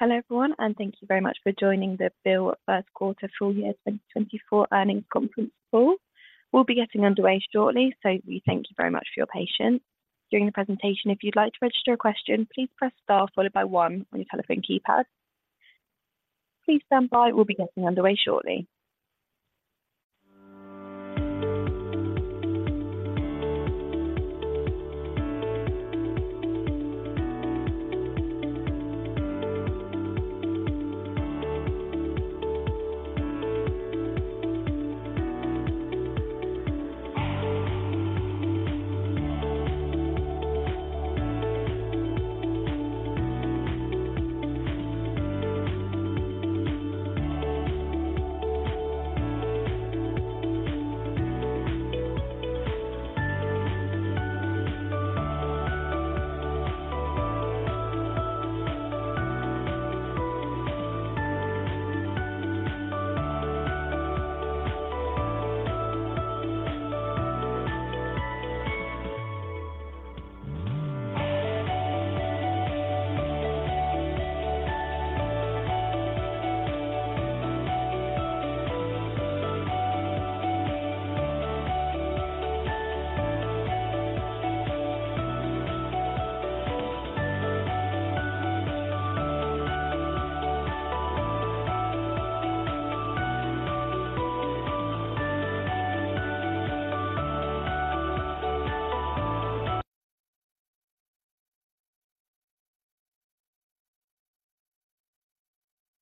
Hello, everyone, and thank you very much for joining the BILL first quarter full year 2024 earnings conference call. We'll be getting underway shortly, so we thank you very much for your patience. During the presentation, if you'd like to register a question, please press star followed by one on your telephone keypad. Please stand by. We'll be getting underway shortly.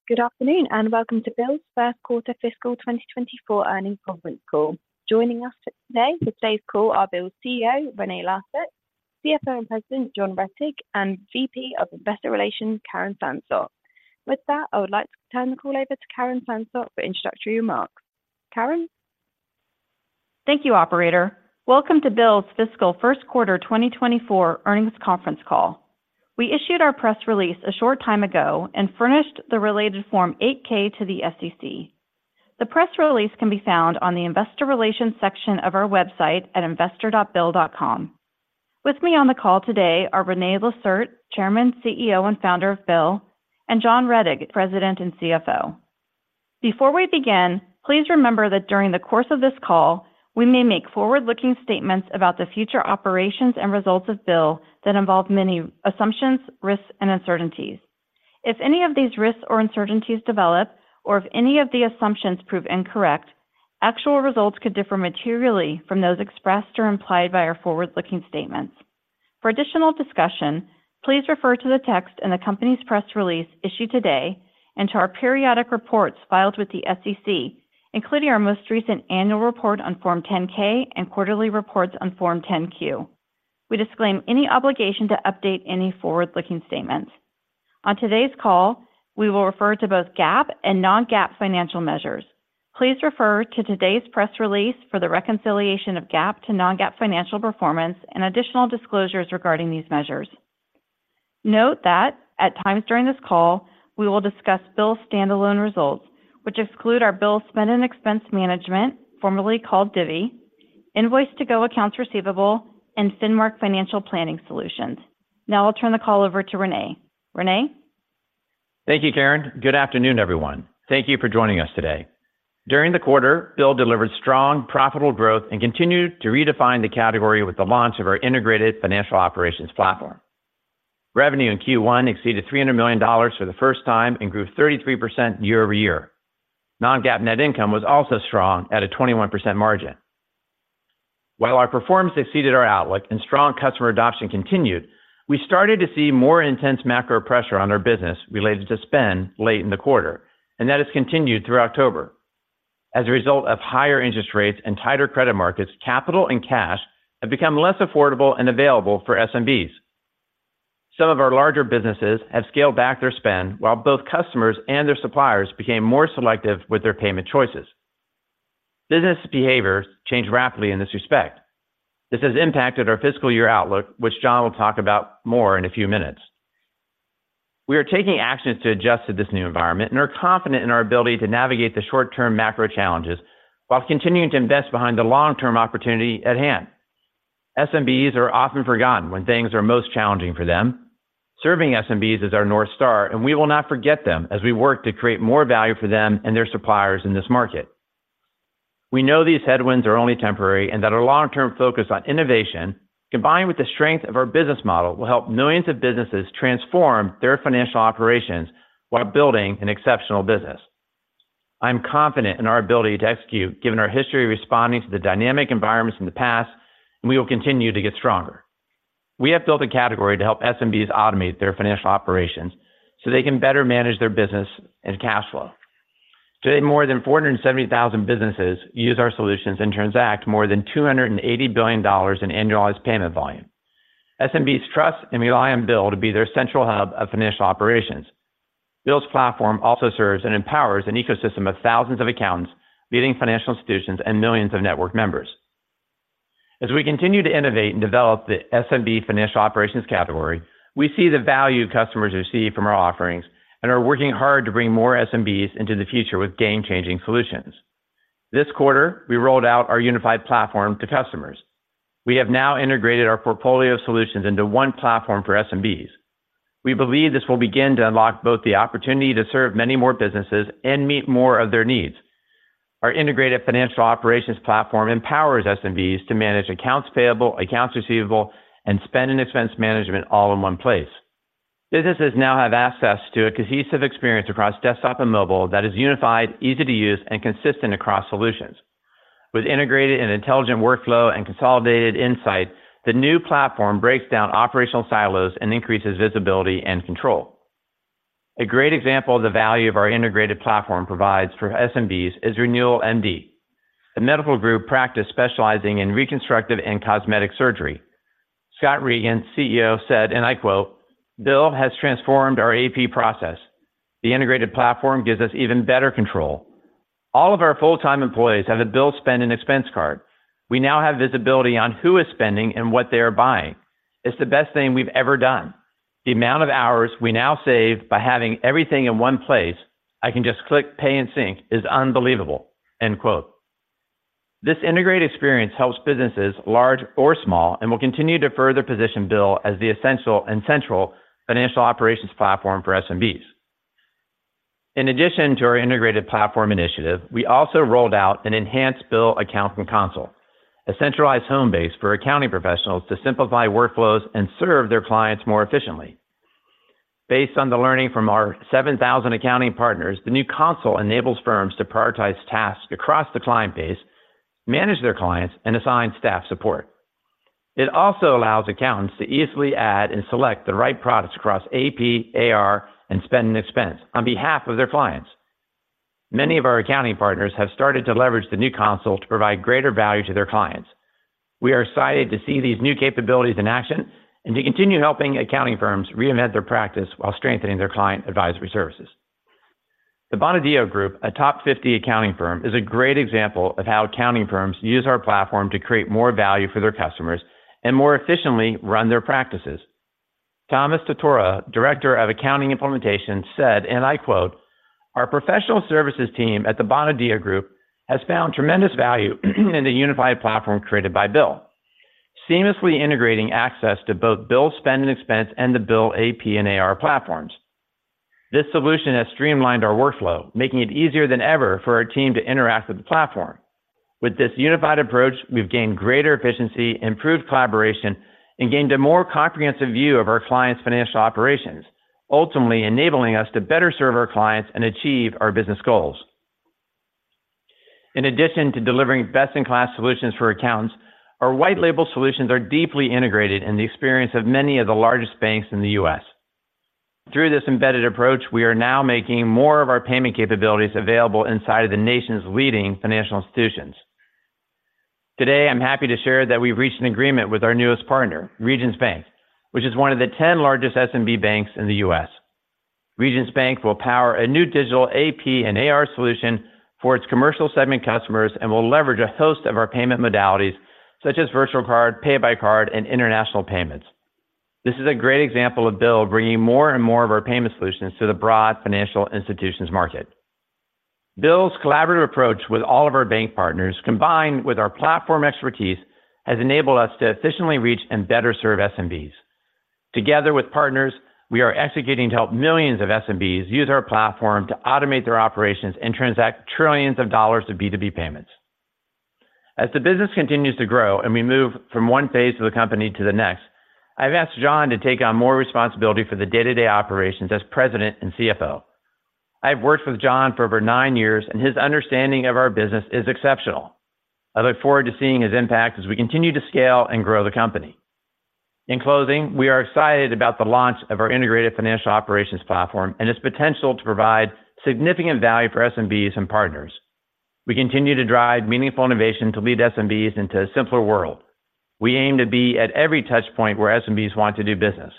Good afternoon, and welcome to BILL's first quarter fiscal 2024 earnings conference call. Joining us today for today's call are BILL's CEO, René Lacerte, CFO and President, John Rettig, and VP of Investor Relations, Karen Sansot. With that, I would like to turn the call over to Karen Sansot for introductory remarks. Karen? Thank you, operator. Welcome to BILL's fiscal first quarter 2024 earnings conference call. We issued our press release a short time ago and furnished the related Form 8-K to the SEC. The press release can be found on the Investor Relations section of our website at investor.bill.com. With me on the call today are René Lacerte, Chairman, CEO, and Founder of BILL, and John Rettig, President and CFO. Before we begin, please remember that during the course of this call, we may make forward-looking statements about the future operations and results of BILL that involve many assumptions, risks, and uncertainties. If any of these risks or uncertainties develop, or if any of the assumptions prove incorrect, actual results could differ materially from those expressed or implied by our forward-looking statements. For additional discussion, please refer to the text in the company's press release issued today and to our periodic reports filed with the SEC, including our most recent annual report on Form 10-K and quarterly reports on Form 10-Q. We disclaim any obligation to update any forward-looking statements. On today's call, we will refer to both GAAP and non-GAAP financial measures. Please refer to today's press release for the reconciliation of GAAP to non-GAAP financial performance and additional disclosures regarding these measures. Note that at times during this call, we will discuss BILL's standalone results, which exclude our BILL Spend & Expense Management, formerly called Divvy, Invoice2go accounts receivable, and Finmark Financial Planning Solutions. Now, I'll turn the call over to René. René? Thank you, Karen. Good afternoon, everyone. Thank you for joining us today. During the quarter, BILL delivered strong, profitable growth and continued to redefine the category with the launch of our integrated financial operations platform. Revenue in Q1 exceeded $300 million for the first time and grew 33% year-over-year. Non-GAAP net income was also strong at a 21% margin. While our performance exceeded our outlook and strong customer adoption continued, we started to see more intense macro pressure on our business related to spend late in the quarter, and that has continued through October. As a result of higher interest rates and tighter credit markets, capital and cash have become less affordable and available for SMBs. Some of our larger businesses have scaled back their spend, while both customers and their suppliers became more selective with their payment choices. Business behaviors changed rapidly in this respect. This has impacted our fiscal year outlook, which John will talk about more in a few minutes. We are taking actions to adjust to this new environment and are confident in our ability to navigate the short-term macro challenges while continuing to invest behind the long-term opportunity at hand. SMBs are often forgotten when things are most challenging for them. Serving SMBs is our North Star, and we will not forget them as we work to create more value for them and their suppliers in this market. We know these headwinds are only temporary and that our long-term focus on innovation, combined with the strength of our business model, will help millions of businesses transform their financial operations while building an exceptional business. I'm confident in our ability to execute, given our history of responding to the dynamic environments in the past, and we will continue to get stronger. We have built a category to help SMBs automate their financial operations so they can better manage their business and cash flow. Today, more than 470,000 businesses use our solutions and transact more than $280 billion in annualized payment volume. SMBs trust and rely on BILL to be their central hub of financial operations. BILL's platform also serves and empowers an ecosystem of thousands of accountants, leading financial institutions, and millions of network members. As we continue to innovate and develop the SMB financial operations category, we see the value customers receive from our offerings and are working hard to bring more SMBs into the future with game-changing solutions.... This quarter, we rolled out our unified platform to customers. We have now integrated our portfolio solutions into one platform for SMBs. We believe this will begin to unlock both the opportunity to serve many more businesses and meet more of their needs. Our integrated financial operations platform empowers SMBs to manage accounts payable, accounts receivable, and Spend and Expense management all in one place. Businesses now have access to a cohesive experience across desktop and mobile that is unified, easy to use, and consistent across solutions. With integrated and intelligent workflow and consolidated insight, the new platform breaks down operational silos and increases visibility and control. A great example of the value of our integrated platform provides for SMBs is Renewal MD, a medical group practice specializing in reconstructive and cosmetic surgery. Scott Reagan, CEO, said, and I quote, "BILL has transformed our AP process. The integrated platform gives us even better control. All of our full-time employees have a BILL Spend and Expense card. We now have visibility on who is spending and what they are buying. It's the best thing we've ever done. The amount of hours we now save by having everything in one place, I can just click, pay, and sync, is unbelievable." End quote. This integrated experience helps businesses, large or small, and will continue to further position BILL as the essential and central financial operations platform for SMBs. In addition to our integrated platform initiative, we also rolled out an enhanced BILL Accounting Console, a centralized home base for accounting professionals to simplify workflows and serve their clients more efficiently. Based on the learning from our 7,000 accounting partners, the new console enables firms to prioritize tasks across the client base, manage their clients, and assign staff support. It also allows accountants to easily add and select the right products across AP, AR, and spend and expense on behalf of their clients. Many of our accounting partners have started to leverage the new console to provide greater value to their clients. We are excited to see these new capabilities in action and to continue helping accounting firms reinvent their practice while strengthening their client advisory services. The Bonadio Group, a top 50 accounting firm, is a great example of how accounting firms use our platform to create more value for their customers and more efficiently run their practices. Thomas Tortora, Director of Accounting Implementation, said, and I quote, "Our professional services team at the Bonadio Group has found tremendous value in the unified platform created by BILL, seamlessly integrating access to both BILL Spend and Expense and the BILL AP and AR platforms. This solution has streamlined our workflow, making it easier than ever for our team to interact with the platform. With this unified approach, we've gained greater efficiency, improved collaboration, and gained a more comprehensive view of our clients' financial operations, ultimately enabling us to better serve our clients and achieve our business goals." In addition to delivering best-in-class solutions for accountants, our white label solutions are deeply integrated in the experience of many of the largest banks in the US. Through this embedded approach, we are now making more of our payment capabilities available inside of the nation's leading financial institutions. Today, I'm happy to share that we've reached an agreement with our newest partner, Regions Bank, which is one of the 10 largest SMB banks in the US. Regions Bank will power a new digital AP and AR solution for its commercial segment customers and will leverage a host of our payment modalities such as virtual card, Pay By Card, and international payments. This is a great example of BILL bringing more and more of our payment solutions to the broad financial institutions market. BILL's collaborative approach with all of our bank partners, combined with our platform expertise, has enabled us to efficiently reach and better serve SMBs. Together with partners, we are executing to help millions of SMBs use our platform to automate their operations and transact trillions of dollars of B2B payments. As the business continues to grow and we move from one phase of the company to the next, I've asked John to take on more responsibility for the day-to-day operations as President and CFO. I've worked with John for over nine years, and his understanding of our business is exceptional. I look forward to seeing his impact as we continue to scale and grow the company. In closing, we are excited about the launch of our integrated financial operations platform and its potential to provide significant value for SMBs and partners. We continue to drive meaningful innovation to lead SMBs into a simpler world. We aim to be at every touch point where SMBs want to do business,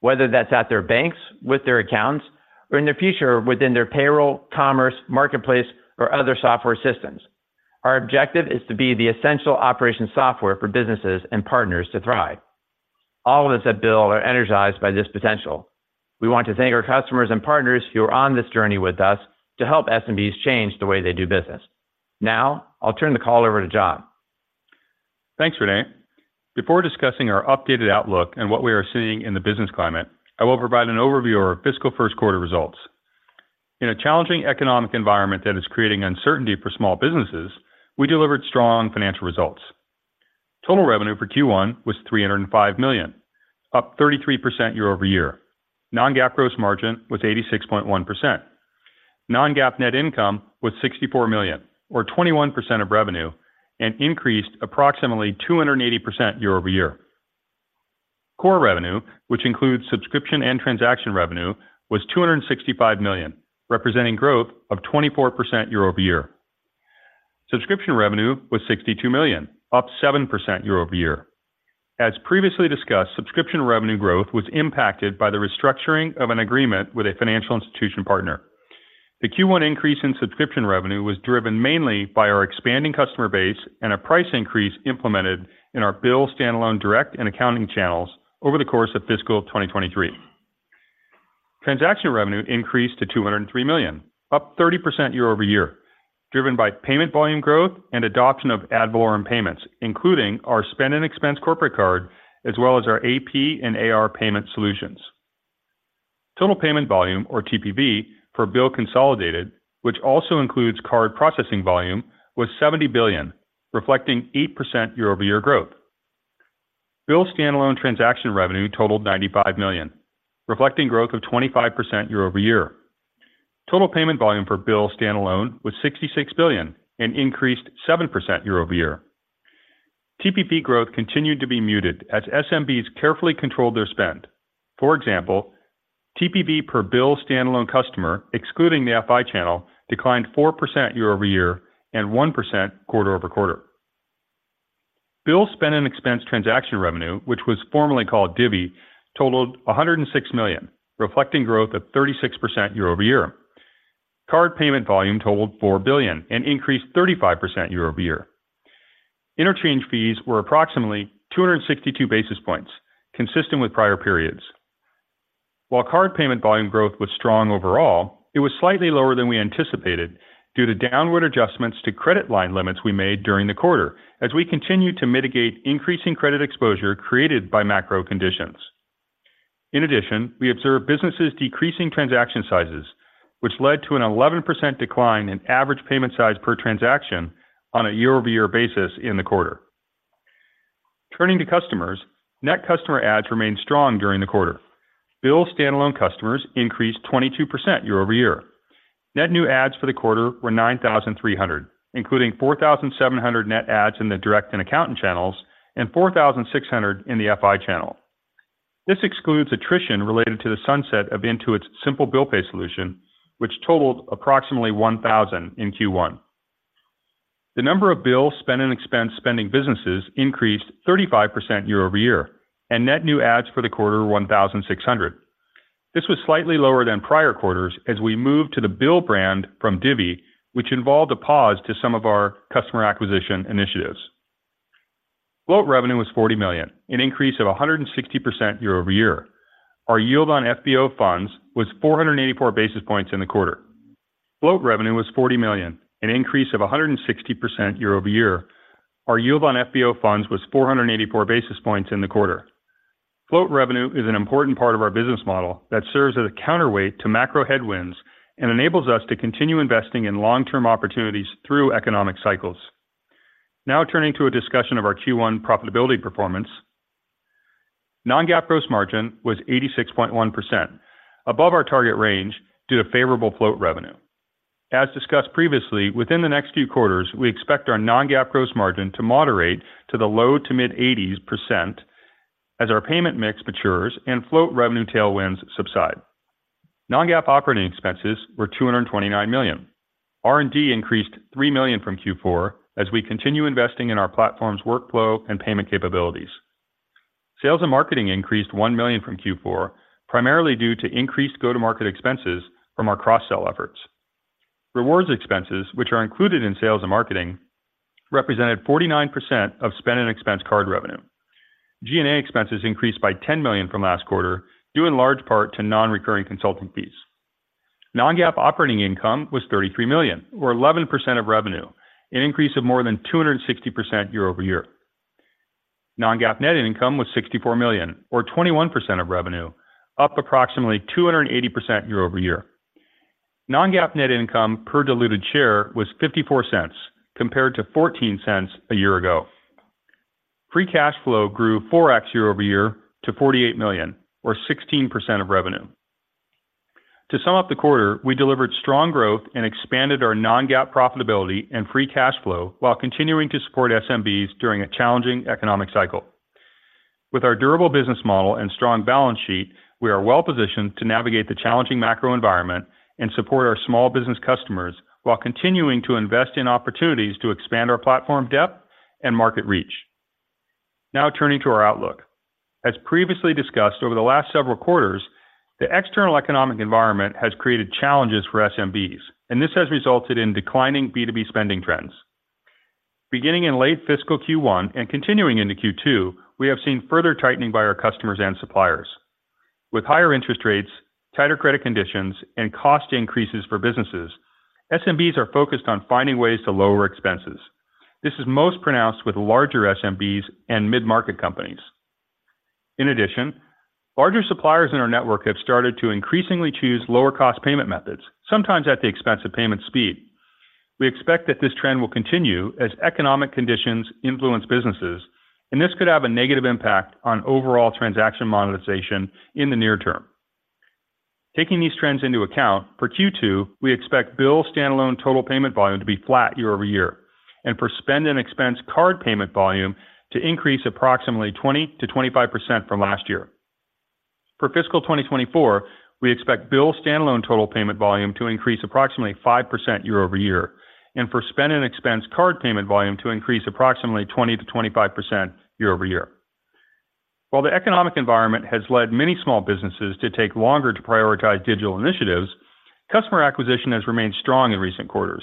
whether that's at their banks, with their accounts, or in the future, within their payroll, commerce, marketplace, or other software systems. Our objective is to be the essential operation software for businesses and partners to thrive. All of us at BILL are energized by this potential. We want to thank our customers and partners who are on this journey with us to help SMBs change the way they do business. Now, I'll turn the call over to John. Thanks, René. Before discussing our updated outlook and what we are seeing in the business climate, I will provide an overview of our fiscal first quarter results. In a challenging economic environment that is creating uncertainty for small businesses, we delivered strong financial results. Total revenue for Q1 was $305 million, up 33% year-over-year. Non-GAAP gross margin was 86.1%. Non-GAAP net income was $64 million, or 21% of revenue, and increased approximately 280% year-over-year. Core revenue, which includes subscription and transaction revenue, was $265 million, representing growth of 24% year-over-year. Subscription revenue was $62 million, up 7% year-over-year. As previously discussed, subscription revenue growth was impacted by the restructuring of an agreement with a financial institution partner. The Q1 increase in subscription revenue was driven mainly by our expanding customer base and a price increase implemented in our BILL standalone direct and accounting channels over the course of fiscal 2023... Transaction revenue increased to $203 million, up 30% year-over-year, driven by payment volume growth and adoption of ad valorem payments, including our Spend and Expense corporate card, as well as our AP and AR payment solutions. Total payment volume, or TPV, for BILL consolidated, which also includes card processing volume, was $70 billion, reflecting 8% year-over-year growth. BILL standalone transaction revenue totaled $95 million, reflecting growth of 25% year-over-year. Total payment volume for BILL standalone was $66 billion and increased 7% year-over-year. TPV growth continued to be muted as SMBs carefully controlled their spend. For example, TPV per BILL standalone customer, excluding the FI channel, declined 4% year-over-year and 1% quarter-over-quarter. BILL Spend and Expense transaction revenue, which was formerly called Divvy, totaled $106 million, reflecting growth of 36% year-over-year. Card payment volume totaled $4 billion and increased 35% year-over-year. Interchange fees were approximately 262 basis points, consistent with prior periods. While card payment volume growth was strong overall, it was slightly lower than we anticipated due to downward adjustments to credit line limits we made during the quarter as we continued to mitigate increasing credit exposure created by macro conditions. In addition, we observed businesses decreasing transaction sizes, which led to an 11% decline in average payment size per transaction on a year-over-year basis in the quarter. Turning to customers, net customer adds remained strong during the quarter. BILL standalone customers increased 22% year-over-year. Net new adds for the quarter were 9,300, including 4,700 net adds in the direct and accountant channels and 4,600 in the FI channel. This excludes attrition related to the sunset of Intuit's Simple Bill Pay solution, which totaled approximately 1,000 in Q1. The number of BILL Spend and Expense spending businesses increased 35% year-over-year, and net new adds for the quarter were 1,600. This was slightly lower than prior quarters as we moved to the BILL brand from Divvy, which involved a pause to some of our customer acquisition initiatives. Float revenue was $40 million, an increase of 160% year-over-year. Our yield on FBO funds was 484 basis points in the quarter. Float revenue was $40 million, an increase of 160% year-over-year. Our yield on FBO funds was 484 basis points in the quarter. Float revenue is an important part of our business model that serves as a counterweight to macro headwinds and enables us to continue investing in long-term opportunities through economic cycles. Now turning to a discussion of our Q1 profitability performance. Non-GAAP gross margin was 86.1%, above our target range due to favorable float revenue. As discussed previously, within the next few quarters, we expect our non-GAAP gross margin to moderate to the low-to-mid-80s% as our payment mix matures and float revenue tailwinds subside. Non-GAAP operating expenses were $229 million. R&D increased $3 million from Q4 as we continue investing in our platform's workflow and payment capabilities. Sales and marketing increased $1 million from Q4, primarily due to increased go-to-market expenses from our cross-sell efforts. Rewards expenses, which are included in sales and marketing, represented 49% of Spend and Expense card revenue. G&A expenses increased by $10 million from last quarter, due in large part to non-recurring consulting fees. Non-GAAP operating income was $33 million, or 11% of revenue, an increase of more than 260% year-over-year. Non-GAAP net income was $64 million, or 21% of revenue, up approximately 280% year-over-year. Non-GAAP net income per diluted share was $0.54, compared to $0.14 a year ago. Free cash flow grew 4x year-over-year to $48 million, or 16% of revenue. To sum up the quarter, we delivered strong growth and expanded our Non-GAAP profitability and free cash flow while continuing to support SMBs during a challenging economic cycle. With our durable business model and strong balance sheet, we are well-positioned to navigate the challenging macro environment and support our small business customers while continuing to invest in opportunities to expand our platform depth and market reach. Now turning to our outlook. As previously discussed over the last several quarters, the external economic environment has created challenges for SMBs, and this has resulted in declining B2B spending trends. Beginning in late fiscal Q1 and continuing into Q2, we have seen further tightening by our customers and suppliers. With higher interest rates, tighter credit conditions, and cost increases for businesses, SMBs are focused on finding ways to lower expenses. This is most pronounced with larger SMBs and mid-market companies. In addition, larger suppliers in our network have started to increasingly choose lower-cost payment methods, sometimes at the expense of payment speed. We expect that this trend will continue as economic conditions influence businesses, and this could have a negative impact on overall transaction monetization in the near term. Taking these trends into account, for Q2, we expect BILL standalone total payment volume to be flat year-over-year, and for Spend and Expense card payment volume to increase approximately 20%-25% from last year. For fiscal 2024, we expect BILL standalone total payment volume to increase approximately 5% year-over-year, and for Spend and Expense card payment volume to increase approximately 20%-25% year-over-year. While the economic environment has led many small businesses to take longer to prioritize digital initiatives, customer acquisition has remained strong in recent quarters.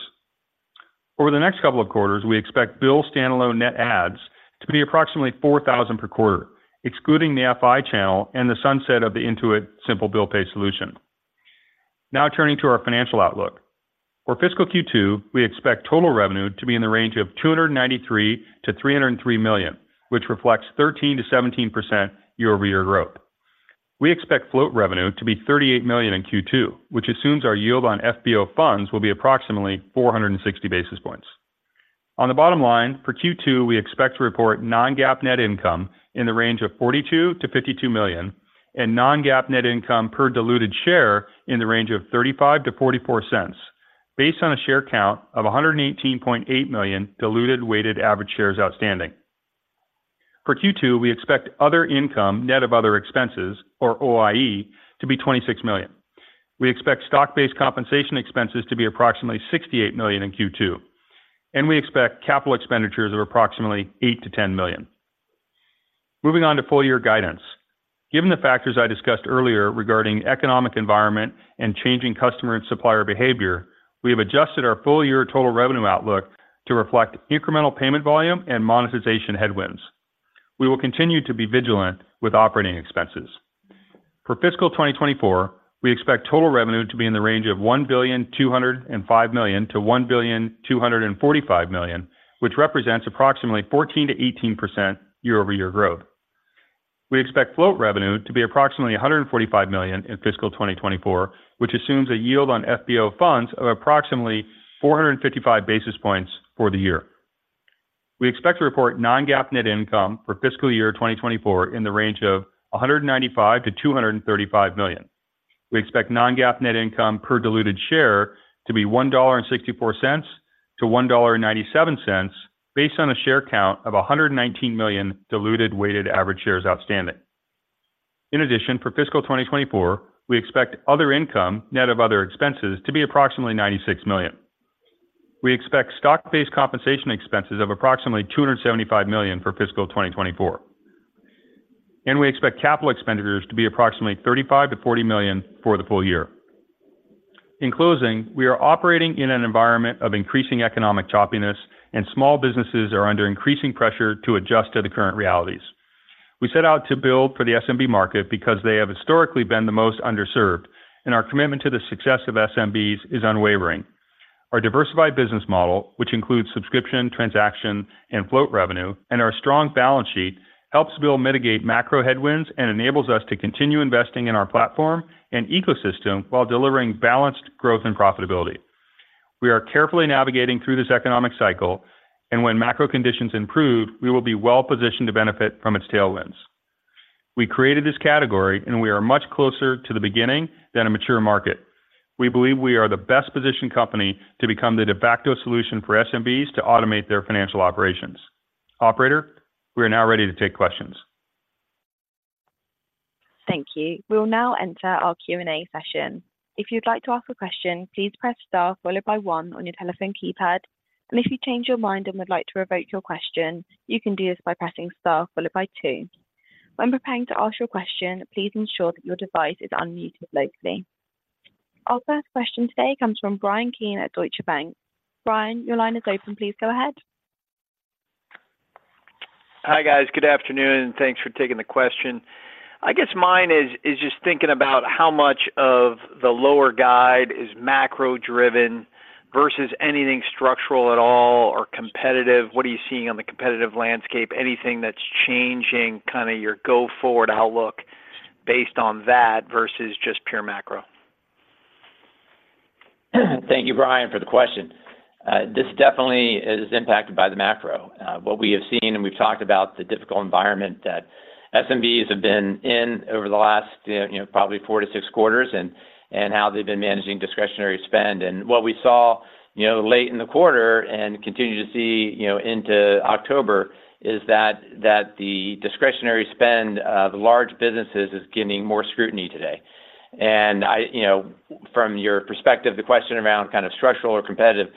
Over the next couple of quarters, we expect BILL standalone net adds to be approximately 4,000 per quarter, excluding the FI channel and the sunset of the Intuit Simple Bill Pay solution. Now, turning to our financial outlook. For fiscal Q2, we expect total revenue to be in the range of $293 million-$303 million, which reflects 13%-17% year-over-year growth. We expect float revenue to be $38 million in Q2, which assumes our yield on FBO funds will be approximately 460 basis points. On the bottom line, for Q2, we expect to report non-GAAP net income in the range of $42 million-$52 million, and non-GAAP net income per diluted share in the range of $0.35-$0.44, based on a share count of 118.8 million diluted weighted average shares outstanding. For Q2, we expect other income, net of other expenses, or OIE, to be $26 million. We expect stock-based compensation expenses to be approximately $68 million in Q2, and we expect capital expenditures of approximately $8 million-$10 million. Moving on to full year guidance. Given the factors I discussed earlier regarding economic environment and changing customer and supplier behavior, we have adjusted our full year total revenue outlook to reflect incremental payment volume and monetization headwinds. We will continue to be vigilant with operating expenses. For fiscal 2024, we expect total revenue to be in the range of $1.205 billion-$1.245 billion, which represents approximately 14%-18% year-over-year growth. We expect float revenue to be approximately $145 million in fiscal 2024, which assumes a yield on FBO funds of approximately 455 basis points for the year. We expect to report non-GAAP net income for fiscal year 2024 in the range of $195 million-$235 million. We expect non-GAAP net income per diluted share to be $1.64-$1.97, based on a share count of 119 million diluted weighted average shares outstanding. In addition, for fiscal 2024, we expect other income, net of other expenses, to be approximately $96 million. We expect stock-based compensation expenses of approximately $275 million for fiscal 2024. We expect capital expenditures to be approximately $35 million-$40 million for the full year. In closing, we are operating in an environment of increasing economic choppiness, and small businesses are under increasing pressure to adjust to the current realities. We set out to build for the SMB market because they have historically been the most underserved, and our commitment to the success of SMBs is unwavering. Our diversified business model, which includes subscription, transaction, and float revenue, and our strong balance sheet, helps BILL mitigate macro headwinds and enables us to continue investing in our platform and ecosystem while delivering balanced growth and profitability. We are carefully navigating through this economic cycle, and when macro conditions improve, we will be well-positioned to benefit from its tailwinds. We created this category, and we are much closer to the beginning than a mature market. We believe we are the best-positioned company to become the de facto solution for SMBs to automate their financial operations. Operator, we are now ready to take questions. Thank you. We'll now enter our Q&A session. If you'd like to ask a question, please press star followed by one on your telephone keypad, and if you change your mind and would like to revoke your question, you can do this by pressing star followed by two. When preparing to ask your question, please ensure that your device is unmuted locally. Our first question today comes from Brian Keane at Deutsche Bank. Brian, your line is open. Please go ahead. Hi, guys. Good afternoon, and thanks for taking the question. I guess mine is, is just thinking about how much of the lower guide is macro-driven versus anything structural at all or competitive. What are you seeing on the competitive landscape? Anything that's changing kind of your go-forward outlook based on that versus just pure macro? Thank you, Brian, for the question. This definitely is impacted by the macro. What we have seen and we've talked about the difficult environment that SMBs have been in over the last, you know, probably four to six quarters, and how they've been managing discretionary spend. And what we saw, you know, late in the quarter and continue to see, you know, into October, is that the discretionary spend of large businesses is getting more scrutiny today. And I— You know, from your perspective, the question around kind of structural or competitive,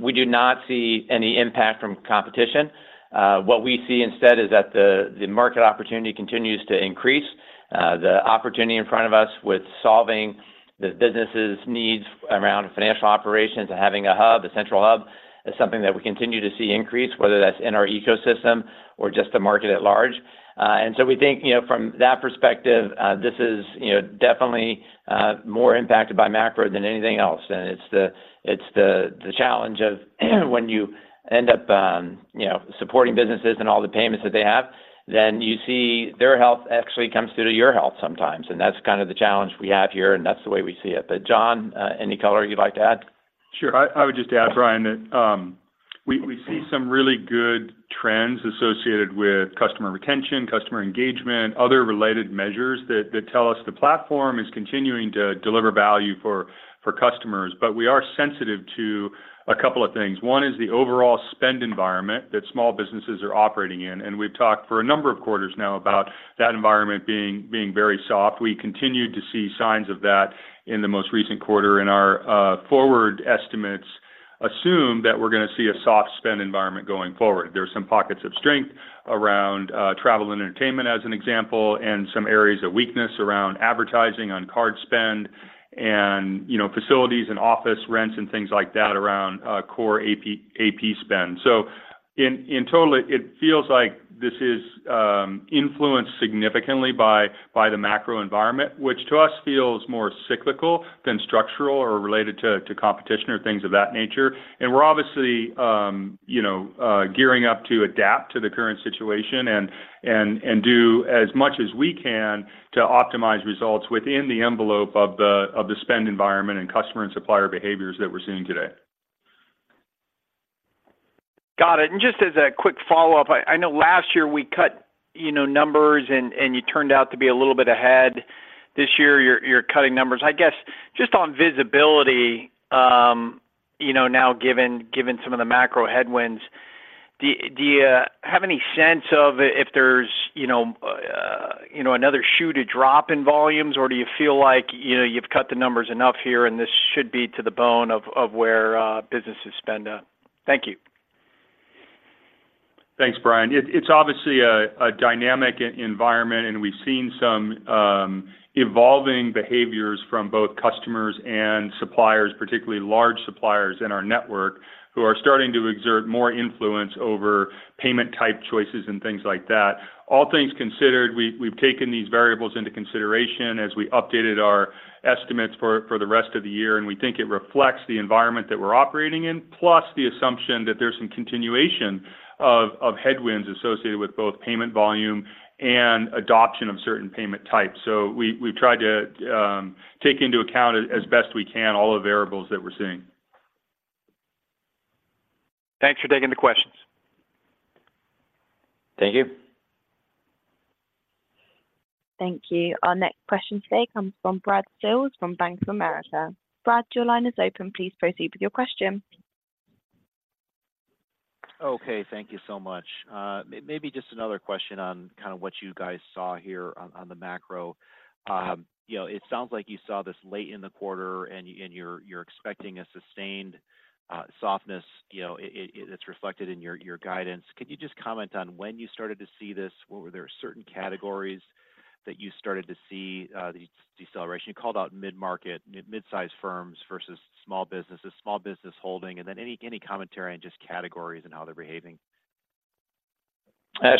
we do not see any impact from competition. What we see instead is that the market opportunity continues to increase. The opportunity in front of us with solving the businesses' needs around financial operations and having a hub, a central hub, is something that we continue to see increase, whether that's in our ecosystem or just the market at large. And so we think, you know, from that perspective, this is, you know, definitely more impacted by macro than anything else. And it's the challenge of, when you end up, you know, supporting businesses and all the payments that they have, then you see their health actually comes through to your health sometimes, and that's kind of the challenge we have here, and that's the way we see it. But John, any color you'd like to add? Sure. I would just add, Brian, that we see some really good trends associated with customer retention, customer engagement, other related measures that tell us the platform is continuing to deliver value for customers. But we are sensitive to a couple of things. One is the overall spend environment that small businesses are operating in, and we've talked for a number of quarters now about that environment being very soft. We continued to see signs of that in the most recent quarter, and our forward estimates assume that we're going to see a soft spend environment going forward. There are some pockets of strength around travel and entertainment, as an example, and some areas of weakness around advertising, on card spend, and, you know, facilities and office rents and things like that around core AP spend. So... In total, it feels like this is influenced significantly by the macro environment, which to us feels more cyclical than structural or related to competition or things of that nature. And we're obviously, you know, gearing up to adapt to the current situation and do as much as we can to optimize results within the envelope of the spend environment and customer and supplier behaviors that we're seeing today. Got it. And just as a quick follow-up, I, I know last year we cut, you know, numbers and, and you turned out to be a little bit ahead. This year, you're, you're cutting numbers. I guess, just on visibility, you know, now, given, given some of the macro headwinds, do you, do you have any sense of if there's, you know, you know, another shoe to drop in volumes? Or do you feel like, you know, you've cut the numbers enough here, and this should be to the bone of, of where businesses spend? Thank you. Thanks, Brian. It's obviously a dynamic environment, and we've seen some evolving behaviors from both customers and suppliers, particularly large suppliers in our network, who are starting to exert more influence over payment type choices and things like that. All things considered, we've taken these variables into consideration as we updated our estimates for the rest of the year, and we think it reflects the environment that we're operating in, plus the assumption that there's some continuation of headwinds associated with both payment volume and adoption of certain payment types. So we've tried to take into account, as best we can, all the variables that we're seeing. Thanks for taking the questions. Thank you. Thank you. Our next question today comes from Brad Sills from Bank of America. Brad, your line is open. Please proceed with your question. Okay, thank you so much. Maybe just another question on kind of what you guys saw here on the macro. You know, it sounds like you saw this late in the quarter, and you're expecting a sustained softness. You know, it's reflected in your guidance. Could you just comment on when you started to see this? Were there certain categories that you started to see the deceleration? You called out mid-market, mid-sized firms versus small businesses, small business holding, and then any commentary on just categories and how they're behaving.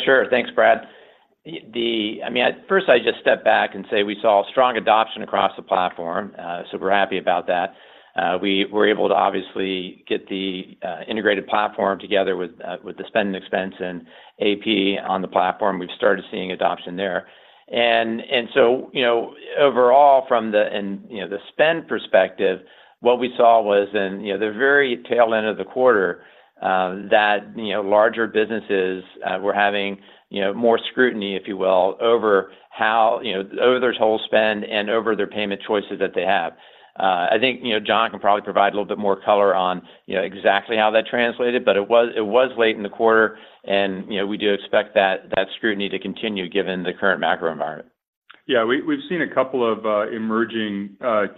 Sure. Thanks, Brad. I mean, at first, I just step back and say we saw strong adoption across the platform, so we're happy about that. We were able to obviously get the integrated platform together with the Spend and Expense and AP on the platform. We've started seeing adoption there. And so, you know, overall, from the spend perspective, what we saw was in the very tail end of the quarter, that larger businesses were having more scrutiny, if you will, over how, you know, over their total spend and over their payment choices that they have. I think, you know, John can probably provide a little bit more color on, you know, exactly how that translated, but it was late in the quarter and, you know, we do expect that scrutiny to continue given the current macro environment. Yeah, we, we've seen a couple of emerging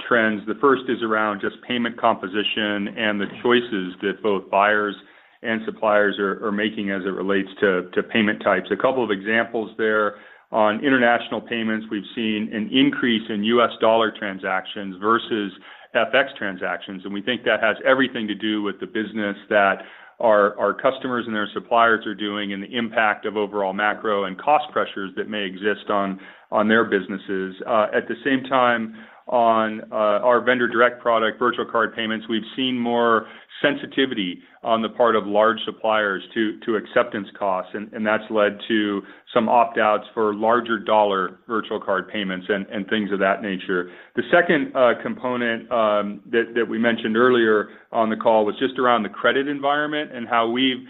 trends. The first is around just payment composition and the choices that both buyers and suppliers are making as it relates to payment types. A couple of examples there. On international payments, we've seen an increase in U.S. dollar transactions versus FX transactions, and we think that has everything to do with the business that our customers and their suppliers are doing, and the impact of overall macro and cost pressures that may exist on their businesses. At the same time, on our Vendor Direct product, virtual card payments, we've seen more sensitivity on the part of large suppliers to acceptance costs, and that's led to some opt-outs for larger dollar virtual card payments and things of that nature. The second component that we mentioned earlier on the call was just around the credit environment and how we've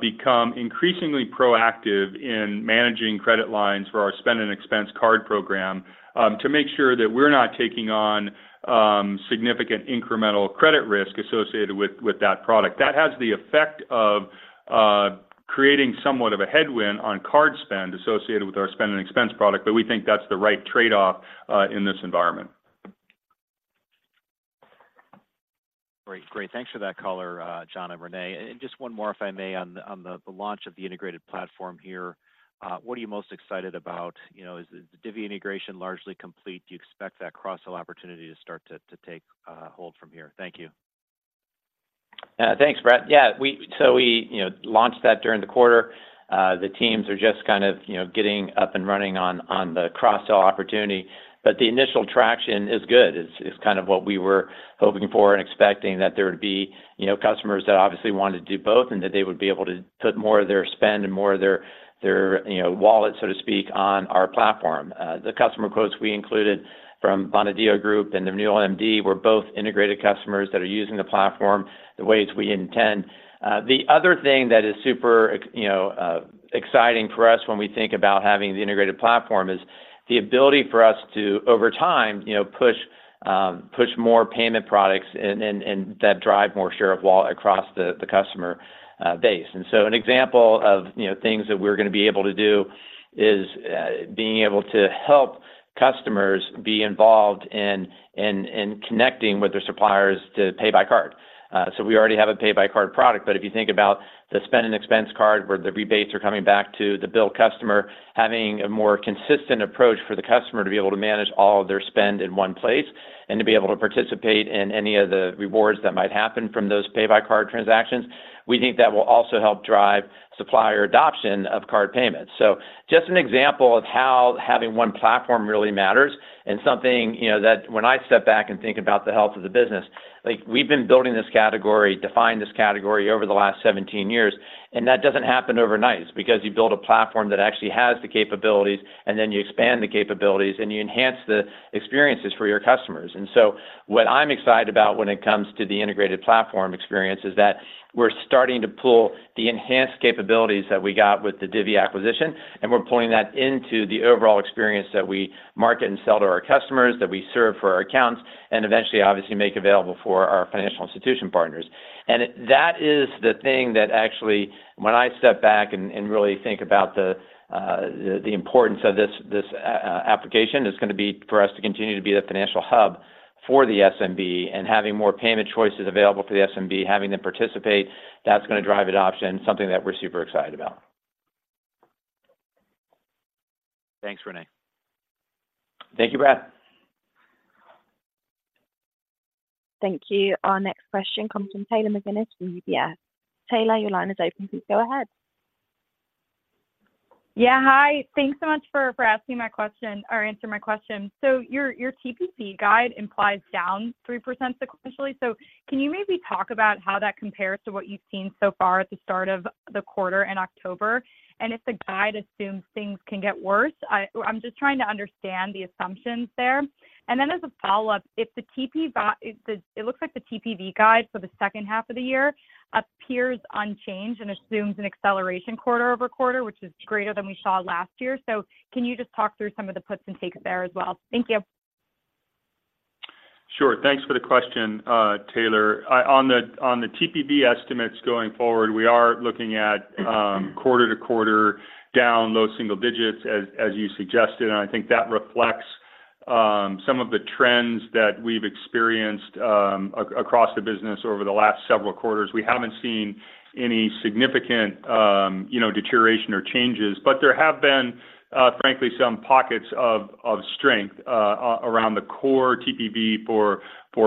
become increasingly proactive in managing credit lines for our Spend and Expense card program, to make sure that we're not taking on significant incremental credit risk associated with that product. That has the effect of creating somewhat of a headwind on card spend associated with our Spend and Expense product, but we think that's the right trade-off in this environment. Great. Great. Thanks for that color, John and René. And just one more, if I may, on the launch of the integrated platform here. What are you most excited about? You know, is the Divvy integration largely complete? Do you expect that cross-sell opportunity to start to take hold from here? Thank you. Thanks, Brad. Yeah, so we, you know, launched that during the quarter. The teams are just kind of, you know, getting up and running on the cross-sell opportunity, but the initial traction is good. It's, it's kind of what we were hoping for and expecting that there would be, you know, customers that obviously wanted to do both, and that they would be able to put more of their spend and more of their, their, you know, wallet, so to speak, on our platform. The customer quotes we included from Bonadio Group and RenewalMD were both integrated customers that are using the platform the ways we intend. The other thing that is super, you know, exciting for us when we think about having the integrated platform is the ability for us to, over time, you know, push... Push more payment products and that drive more share of wallet across the customer base. And so an example of, you know, things that we're gonna be able to do is being able to help customers be involved in connecting with their suppliers to Pay By Card. So we already have a Pay By Card product, but if you think about the Spend and Expense card, where the rebates are coming back to the BILL customer, having a more consistent approach for the customer to be able to manage all of their spend in one place, and to be able to participate in any of the rewards that might happen from those Pay By Card transactions, we think that will also help drive supplier adoption of card payments. So just an example of how having one platform really matters, and something, you know, that when I step back and think about the health of the business, like, we've been building this category, defined this category over the last 17 years, and that doesn't happen overnight because you build a platform that actually has the capabilities, and then you expand the capabilities, and you enhance the experiences for your customers. And so what I'm excited about when it comes to the integrated platform experience is that we're starting to pull the enhanced capabilities that we got with the Divvy acquisition, and we're pulling that into the overall experience that we market and sell to our customers, that we serve for our accounts, and eventually, obviously, make available for our financial institution partners. That is the thing that actually, when I step back and really think about the importance of this application, is gonna be for us to continue to be the financial hub for the SMB and having more payment choices available for the SMB, having them participate. That's gonna drive adoption, something that we're super excited about. Thanks, Rene. Thank you, Brad. Thank you. Our next question comes from Taylor McGinnis from UBS. Taylor, your line is open. Please go ahead. Yeah, hi. Thanks so much for asking my question or answering my question. So your TPV guide implies down 3% sequentially. So can you maybe talk about how that compares to what you've seen so far at the start of the quarter in October? And if the guide assumes things can get worse, I'm just trying to understand the assumptions there. And then as a follow-up, it looks like the TPV guide for the second half of the year appears unchanged and assumes an acceleration quarter-over-quarter, which is greater than we saw last year. So can you just talk through some of the puts and takes there as well? Thank you. Sure. Thanks for the question, Taylor. On the TPV estimates going forward, we are looking at quarter-over-quarter down low single digits, as you suggested, and I think that reflects some of the trends that we've experienced across the business over the last several quarters. We haven't seen any significant you know, deterioration or changes, but there have been frankly, some pockets of strength around the core TPV for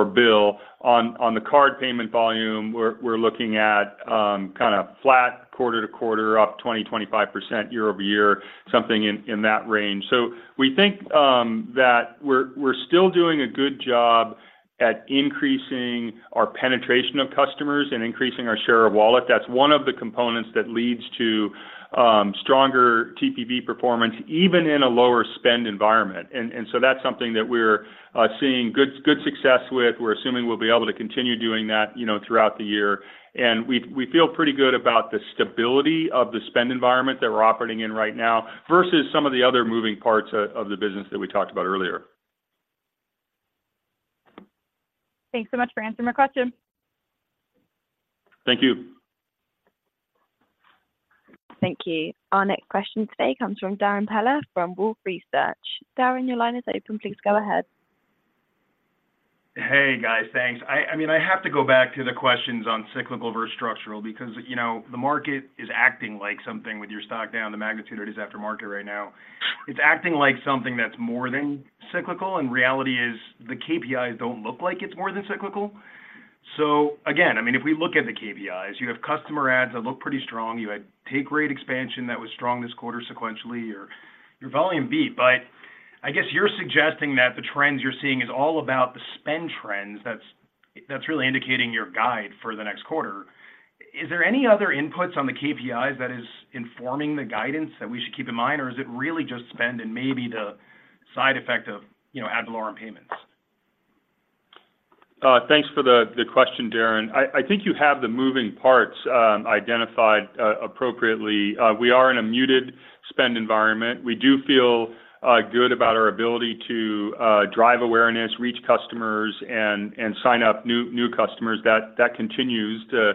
BILL. On the card payment volume, we're looking at kinda flat quarter-over-quarter, up 20-25% year-over-year, something in that range. So we think that we're still doing a good job at increasing our penetration of customers and increasing our share of wallet. That's one of the components that leads to stronger TPV performance, even in a lower spend environment. And so that's something that we're seeing good, good success with. We're assuming we'll be able to continue doing that, you know, throughout the year. And we feel pretty good about the stability of the spend environment that we're operating in right now versus some of the other moving parts of the business that we talked about earlier. Thanks so much for answering my question. Thank you. Thank you. Our next question today comes from Darren Peller from Wolfe Research. Darren, your line is open. Please go ahead. Hey, guys. Thanks. I mean, I have to go back to the questions on cyclical versus structural, because, you know, the market is acting like something with your stock down the magnitude it is after market right now. It's acting like something that's more than cyclical, and reality is the KPIs don't look like it's more than cyclical. So again, I mean, if we look at the KPIs, you have customer adds that look pretty strong. You had take rate expansion that was strong this quarter sequentially, your volume beat. But I guess you're suggesting that the trends you're seeing is all about the spend trends, that's really indicating your guide for the next quarter. Is there any other inputs on the KPIs that is informing the guidance that we should keep in mind, or is it really just spend and maybe the side effect of, you know, ad valorem payments? Thanks for the, the question, Darren. I think you have the moving parts, identified, appropriately. We are in a muted spend environment. We do feel, good about our ability to, drive awareness, reach customers, and sign up new customers. That continues to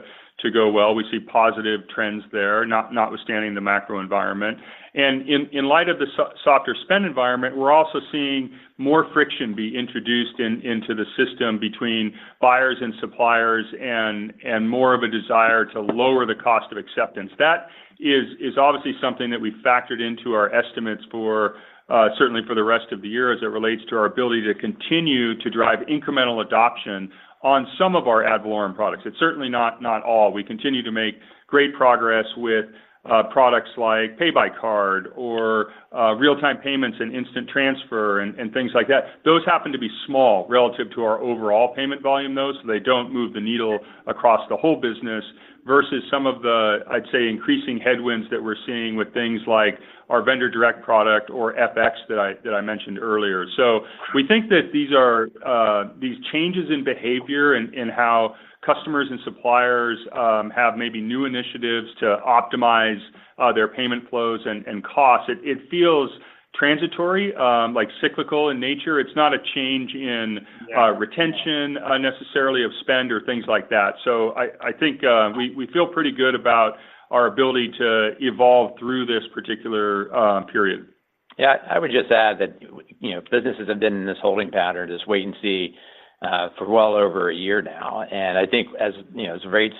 go well. We see positive trends there, notwithstanding the macro environment. And in light of the softer spend environment, we're also seeing more friction be introduced into the system between buyers and suppliers and more of a desire to lower the cost of acceptance. That is obviously something that we factored into our estimates for, certainly for the rest of the year as it relates to our ability to continue to drive incremental adoption on some of our ad valorem products. It's certainly not all. We continue to make great progress with products like Pay By Card or real-time payments and instant transfer and things like that. Those happen to be small relative to our overall payment volume, though, so they don't move the needle across the whole business versus some of the, I'd say, increasing headwinds that we're seeing with things like our Vendor Direct product or FX that I mentioned earlier. So we think that these are these changes in behavior and how customers and suppliers have maybe new initiatives to optimize their payment flows and costs. It feels transitory, like cyclical in nature. It's not a change in Yeah retention, necessarily of spend or things like that. So I, I think, we, we feel pretty good about our ability to evolve through this particular, period. Yeah, I would just add that, you know, businesses have been in this holding pattern, just wait and see, for well over a year now. And I think as, you know, as rates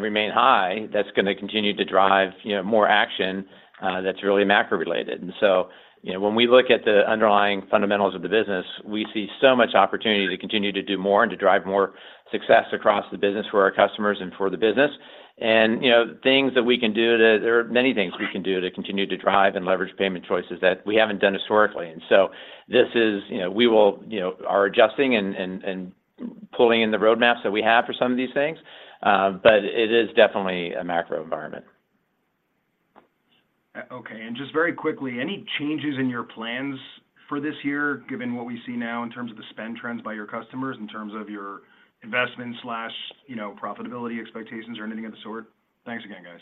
remain high, that's gonna continue to drive, you know, more action, that's really macro-related. And so, you know, when we look at the underlying fundamentals of the business, we see so much opportunity to continue to do more and to drive more success across the business for our customers and for the business. And, you know, there are many things we can do to continue to drive and leverage payment choices that we haven't done historically. And so this is, you know, we will, you know, are adjusting and pulling in the roadmaps that we have for some of these things, but it is definitely a macro environment. Okay. Just very quickly, any changes in your plans for this year, given what we see now in terms of the spend trends by your customers, in terms of your investment slash, you know, profitability expectations or anything of the sort? Thanks again, guys.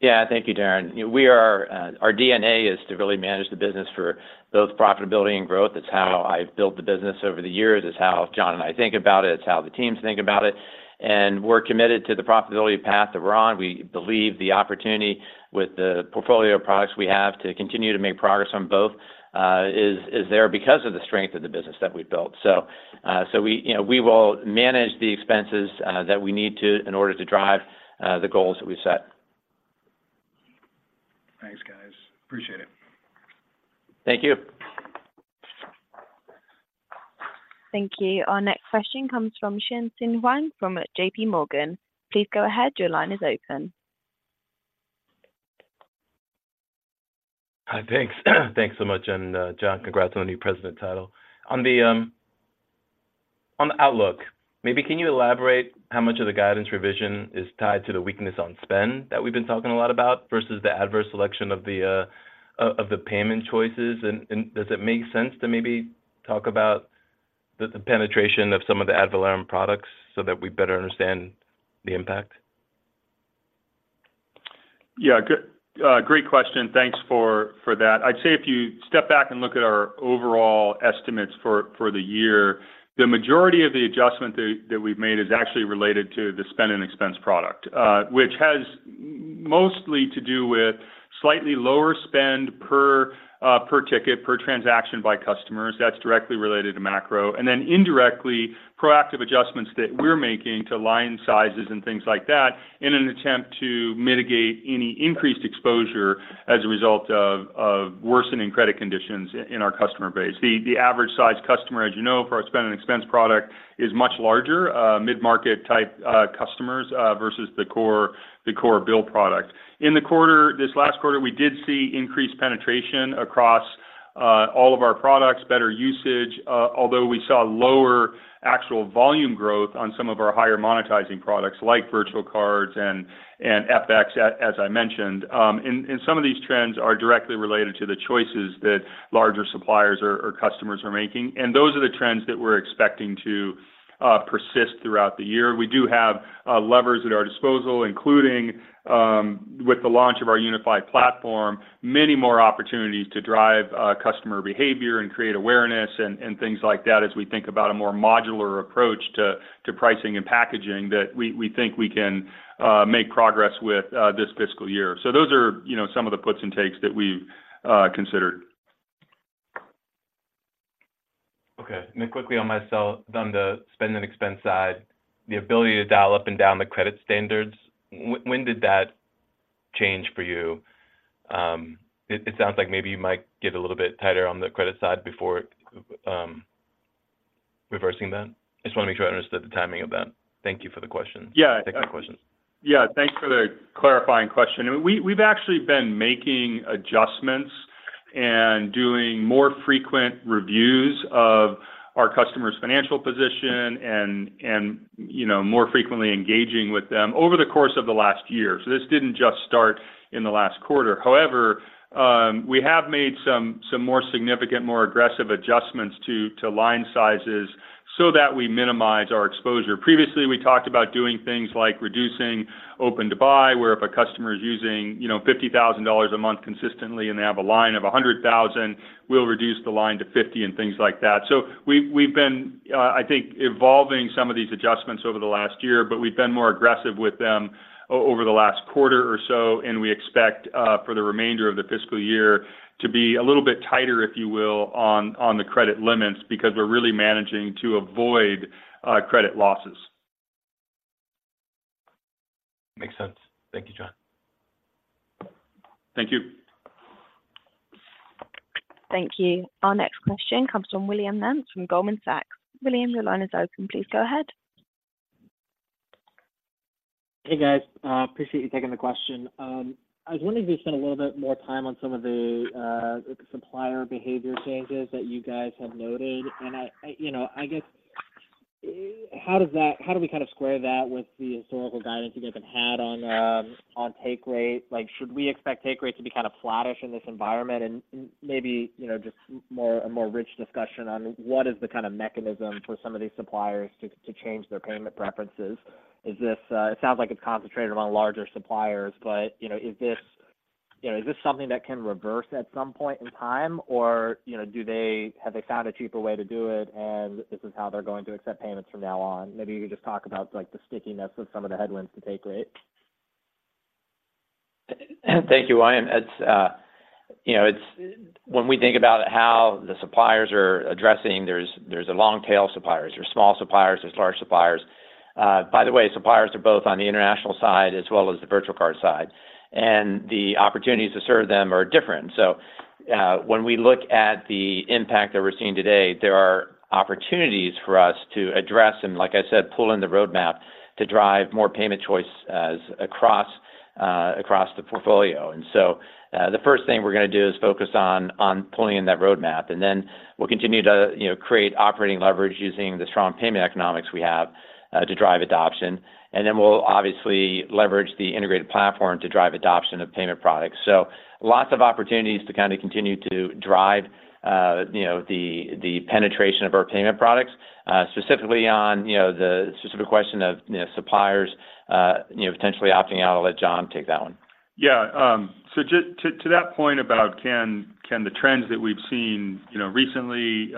Yeah, thank you, Darren. You know, our DNA is to really manage the business for both profitability and growth. It's how I've built the business over the years. It's how John and I think about it, it's how the teams think about it. And we're committed to the profitability path that we're on. We believe the opportunity with the portfolio of products we have to continue to make progress on both is there because of the strength of the business that we've built. So, we, you know, we will manage the expenses that we need to in order to drive the goals that we've set. Thanks, guys. Appreciate it. Thank you. Thank you. Our next question comes from Tien-Tsin Huang from J.P. Morgan. Please go ahead. Your line is open. Hi, thanks. Thanks so much. And, John, congrats on the new president title. On the outlook, maybe can you elaborate how much of the guidance revision is tied to the weakness on spend that we've been talking a lot about, versus the adverse selection of the of the payment choices? And does it make sense to maybe talk about the penetration of some of the ad valorem products so that we better understand the impact? Yeah, good, great question. Thanks for, for that. I'd say if you step back and look at our overall estimates for, for the year, the majority of the adjustment that, that we've made is actually related to the Spend and Expense product, which has mostly to do with slightly lower spend per, per ticket, per transaction by customers. That's directly related to macro. And then indirectly, proactive adjustments that we're making to line sizes and things like that, in an attempt to mitigate any increased exposure as a result of, of worsening credit conditions in our customer base. The, the average size customer, as you know, for our Spend and Expense product, is much larger, mid-market type, customers, versus the core, the core BILL product. In the quarter, this last quarter, we did see increased penetration across all of our products, better usage, although we saw lower actual volume growth on some of our higher monetizing products like virtual cards and FX, as I mentioned. Some of these trends are directly related to the choices that larger suppliers or customers are making, and those are the trends that we're expecting to persist throughout the year. We do have levers at our disposal, including with the launch of our unified platform, many more opportunities to drive customer behavior and create awareness and things like that, as we think about a more modular approach to pricing and packaging that we think we can make progress with this fiscal year. So those are, you know, some of the puts and takes that we've considered. Okay. Then quickly on my sell - on the Spend and Expense side, the ability to dial up and down the credit standards, when did that change for you? It sounds like maybe you might get a little bit tighter on the credit side before reversing then. I just want to make sure I understood the timing of that. Thank you for the question. Yeah. Thank you for the question. Yeah, thanks for the clarifying question. We've actually been making adjustments and doing more frequent reviews of our customers' financial position and, you know, more frequently engaging with them over the course of the last year. So this didn't just start in the last quarter. However, we have made some more significant, more aggressive adjustments to line sizes so that we minimize our exposure. Previously, we talked about doing things like reducing open to buy, where if a customer is using, you know, $50,000 a month consistently and they have a line of $100,000, we'll reduce the line to $50,000 and things like that. So we've been, I think, evolving some of these adjustments over the last year, but we've been more aggressive with them over the last quarter or so, and we expect for the remainder of the fiscal year to be a little bit tighter, if you will, on the credit limits, because we're really managing to avoid credit losses. Makes sense. Thank you, John. Thank you. Thank you. Our next question comes from William Nance, from Goldman Sachs. William, your line is open. Please go ahead. Hey, guys, appreciate you taking the question. I was wondering if you could spend a little bit more time on some of the supplier behavior changes that you guys have noted. And you know, I guess, how does that how do we kind of square that with the historical guidance you guys have had on take rate? Like, should we expect take rate to be kind of flattish in this environment? And maybe, you know, just more, a more rich discussion on what is the kind of mechanism for some of these suppliers to change their payment preferences. It sounds like it's concentrated among larger suppliers, but, you know, is this something that can reverse at some point in time? Or, you know, have they found a cheaper way to do it, and this is how they're going to accept payments from now on? Maybe you could just talk about, like, the stickiness of some of the headwinds to take rate. Thank you, Ryan. It's, you know, it's when we think about how the suppliers are addressing, there's a long tail suppliers. There's small suppliers, there's large suppliers. By the way, suppliers are both on the international side as well as the virtual card side, and the opportunities to serve them are different. So, when we look at the impact that we're seeing today, there are opportunities for us to address, and like I said, pull in the roadmap to drive more payment choice as across the portfolio. And so, the first thing we're gonna do is focus on pulling in that roadmap, and then we'll continue to, you know, create operating leverage using the strong payment economics we have to drive adoption. And then we'll obviously leverage the integrated platform to drive adoption of payment products. So lots of opportunities to kind of continue to drive, you know, the penetration of our payment products. Specifically on, you know, the specific question of, you know, suppliers, you know, potentially opting out, I'll let John take that one. Yeah, so to that point about can the trends that we've seen, you know, recently,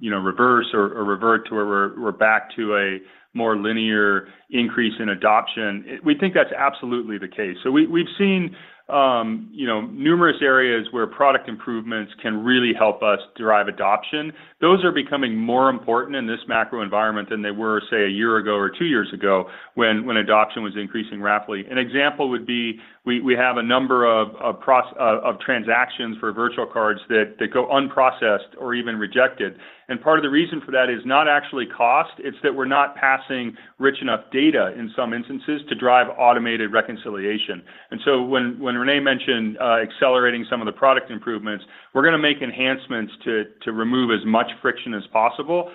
you know, reverse or revert to where we're back to a more linear increase in adoption, we think that's absolutely the case. So we've seen, you know, numerous areas where product improvements can really help us drive adoption. Those are becoming more important in this macro environment than they were, say, a year ago or two years ago, when adoption was increasing rapidly. An example would be, we have a number of transactions for virtual cards that go unprocessed or even rejected. And part of the reason for that is not actually cost, it's that we're not passing rich enough data in some instances to drive automated reconciliation. And so when René mentioned accelerating some of the product improvements, we're gonna make enhancements to remove as much friction as possible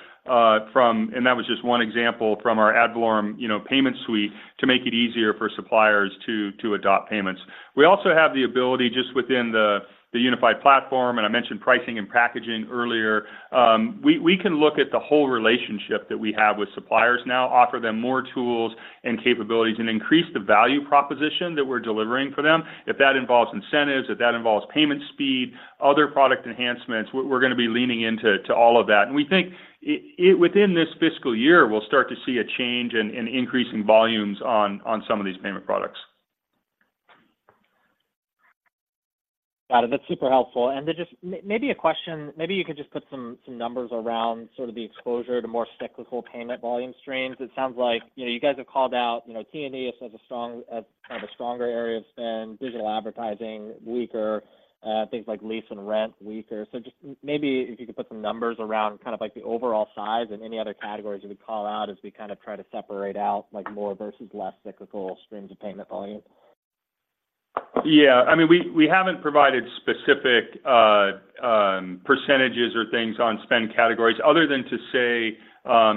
from... And that was just one example from our ad hoc, you know, payment suite, to make it easier for suppliers to adopt payments. We also have the ability, just within the unified platform, and I mentioned pricing and packaging earlier, we can look at the whole relationship that we have with suppliers now, offer them more tools and capabilities, and increase the value proposition that we're delivering for them. If that involves incentives, if that involves payment speed, other product enhancements, we're gonna be leaning into all of that. And we think within this fiscal year, we'll start to see a change in increasing volumes on some of these payment products. Got it. That's super helpful. And then just maybe a question, maybe you could just put some numbers around sort of the exposure to more cyclical payment volume streams. It sounds like, you know, you guys have called out, you know, T&E as a strong, kind of a stronger area of spend, digital advertising, weaker, things like lease and rent, weaker. So just maybe if you could put some numbers around kind of like the overall size and any other categories you would call out as we kind of try to separate out, like, more versus less cyclical streams of payment volume. Yeah. I mean, we haven't provided specific percentages or things on spend categories other than to say,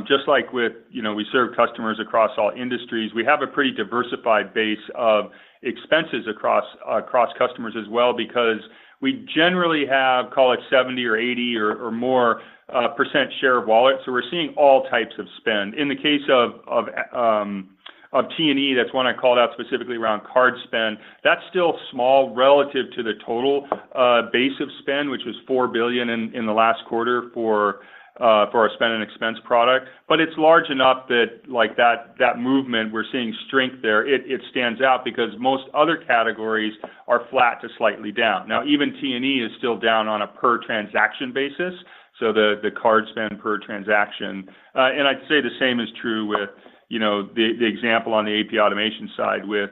just like with, you know, we serve customers across all industries, we have a pretty diversified base of expenses across customers as well, because we generally have, call it, 70 or 80 or more percent share of wallet, so we're seeing all types of spend. In the case of T&E, that's one I called out specifically around card spend, that's still small relative to the total base of spend, which was $4 billion in the last quarter for our Spend and Expense product. But it's large enough that, like, that movement, we're seeing strength there. It stands out because most other categories are flat to slightly down. Now, even T&E is still down on a per transaction basis, so the card spend per transaction. And I'd say the same is true with, you know, the example on the AP automation side with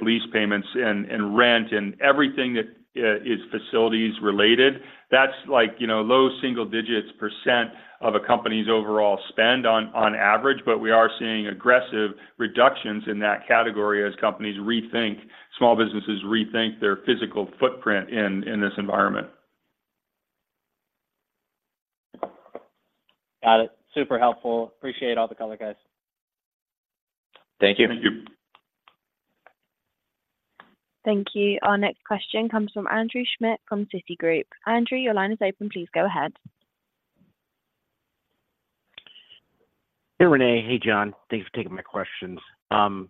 lease payments and rent, and everything that is facilities related. That's like, you know, low single digits% of a company's overall spend on average, but we are seeing aggressive reductions in that category as companies rethink small businesses rethink their physical footprint in this environment. Got it. Super helpful. Appreciate all the color, guys. Thank you. Thank you. Thank you. Our next question comes from Andrew Schmidt from Citigroup. Andrew, your line is open. Please go ahead. Hey, René. Hey, John. Thanks for taking my questions. I,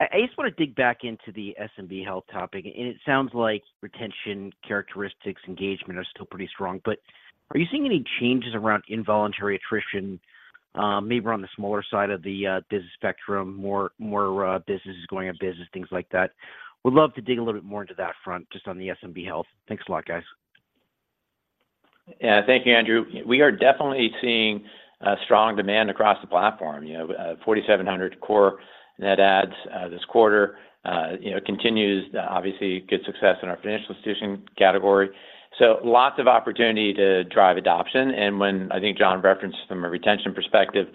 I just want to dig back into the SMB health topic, and it sounds like retention, characteristics, engagement are still pretty strong, but are you seeing any changes around involuntary attrition, maybe on the smaller side of the business spectrum, more, more, businesses going out of business, things like that? Would love to dig a little bit more into that front, just on the SMB health. Thanks a lot, guys. Yeah. Thank you, Andrew. We are definitely seeing strong demand across the platform. You know, 4,700 core net adds this quarter, you know, continues obviously good success in our financial institution category. So lots of opportunity to drive adoption, and when, I think John referenced from a retention perspective,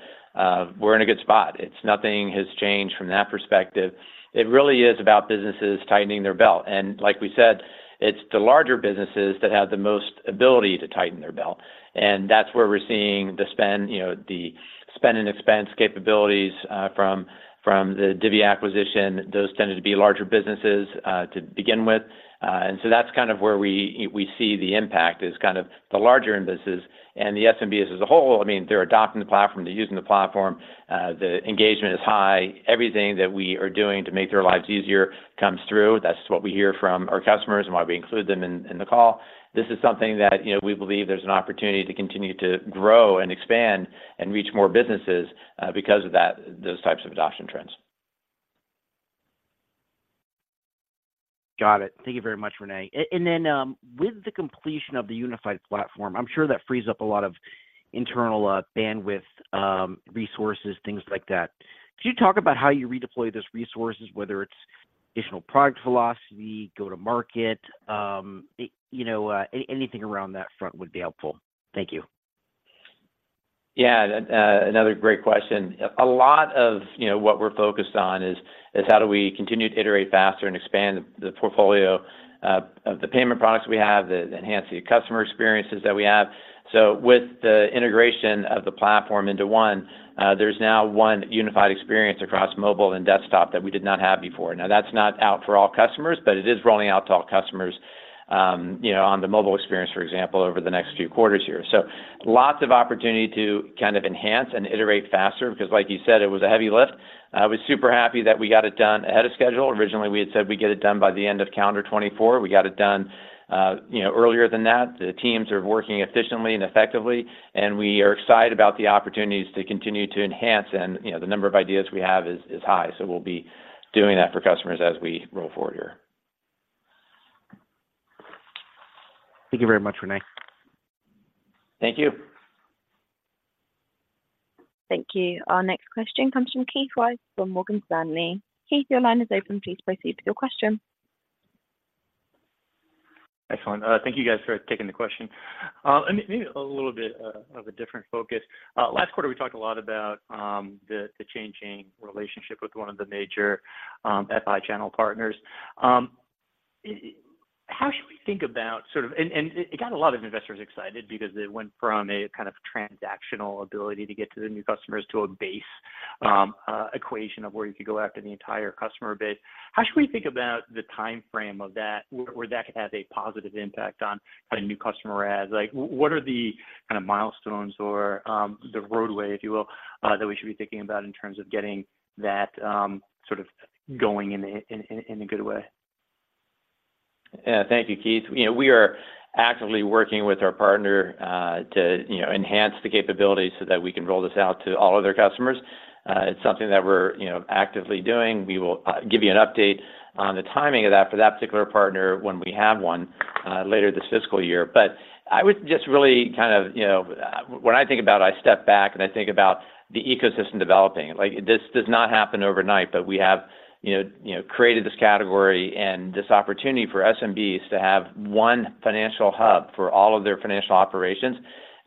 we're in a good spot. It's nothing has changed from that perspective. It really is about businesses tightening their belt, and like we said, it's the larger businesses that have the most ability to tighten their belt, and that's where we're seeing the spend, you know, the Spend and Expense capabilities from the Divvy acquisition. Those tended to be larger businesses to begin with. And so that's kind of where we see the impact, is kind of the larger businesses and the SMBs as a whole. I mean, they're adopting the platform, they're using the platform, the engagement is high. Everything that we are doing to make their lives easier comes through. That's what we hear from our customers and why we include them in, in the call. This is something that, you know, we believe there's an opportunity to continue to grow and expand and reach more businesses, because of that, those types of adoption trends. Got it. Thank you very much, René. And then, with the completion of the unified platform, I'm sure that frees up a lot of internal, bandwidth, resources, things like that. Could you talk about how you redeploy those resources, whether it's additional product philosophy, go-to-market? You know, anything around that front would be helpful. Thank you. Yeah, another great question. A lot of, you know, what we're focused on is how do we continue to iterate faster and expand the portfolio of the payment products we have, enhance the customer experiences that we have? So with the integration of the platform into one, there's now one unified experience across mobile and desktop that we did not have before. Now, that's not out for all customers, but it is rolling out to all customers, you know, on the mobile experience, for example, over the next few quarters here. So lots of opportunity to kind of enhance and iterate faster, because like you said, it was a heavy lift. I was super happy that we got it done ahead of schedule. Originally, we had said we'd get it done by the end of calendar 2024. We got it done, you know, earlier than that. The teams are working efficiently and effectively, and we are excited about the opportunities to continue to enhance. You know, the number of ideas we have is high, so we'll be doing that for customers as we roll forward here. Thank you very much, René. Thank you. Thank you. Our next question comes from Keith Weiss from Morgan Stanley. Keith, your line is open. Please proceed with your question. Excellent. Thank you guys for taking the question. And maybe a little bit of a different focus. Last quarter, we talked a lot about the changing relationship with one of the major FI channel partners. How should we think about sort of... And it got a lot of investors excited because it went from a kind of transactional ability to get to the new customers, to a base equation of where you could go after the entire customer base. How should we think about the timeframe of that, where that could have a positive impact on kind of new customer adds? Like, what are the kind of milestones or the roadway, if you will, that we should be thinking about in terms of getting that sort of going in a good way? Yeah. Thank you, Keith. You know, we are actively working with our partner to, you know, enhance the capabilities so that we can roll this out to all of their customers. It's something that we're, you know, actively doing. We will give you an update on the timing of that for that particular partner when we have one later this fiscal year. But I would just really kind of, you know, when I think about it, I step back and I think about the ecosystem developing. Like, this does not happen overnight, but we have, you know, created this category and this opportunity for SMBs to have one financial hub for all of their financial operations.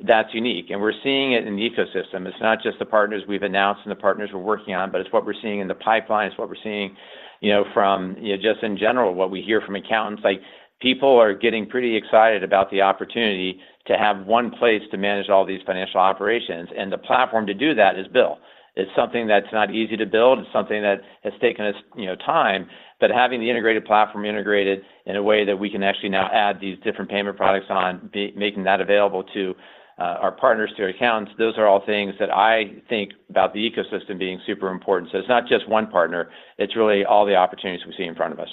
That's unique, and we're seeing it in the ecosystem. It's not just the partners we've announced and the partners we're working on, but it's what we're seeing in the pipeline. It's what we're seeing, you know, from, you know, just in general, what we hear from accountants. Like, people are getting pretty excited about the opportunity to have one place to manage all these financial operations, and the platform to do that is built. It's something that's not easy to build. It's something that has taken us, you know, time. But having the integrated platform integrated in a way that we can actually now add these different payment products on, making that available to our partners, to our accountants, those are all things that I think about the ecosystem being super important. So it's not just one partner, it's really all the opportunities we see in front of us.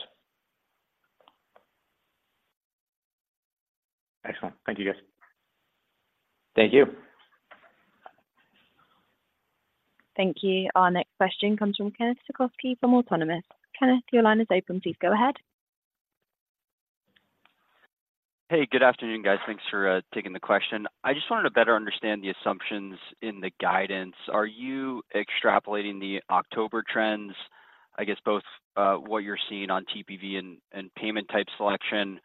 Excellent. Thank you, guys. Thank you. Thank you. Our next question comes from Kenneth Suchoski from Autonomous. Kenneth, your line is open. Please go ahead. Hey, good afternoon, guys. Thanks for taking the question. I just wanted to better understand the assumptions in the guidance. Are you extrapolating the October trends, I guess, both what you're seeing on TPV and payment type selection,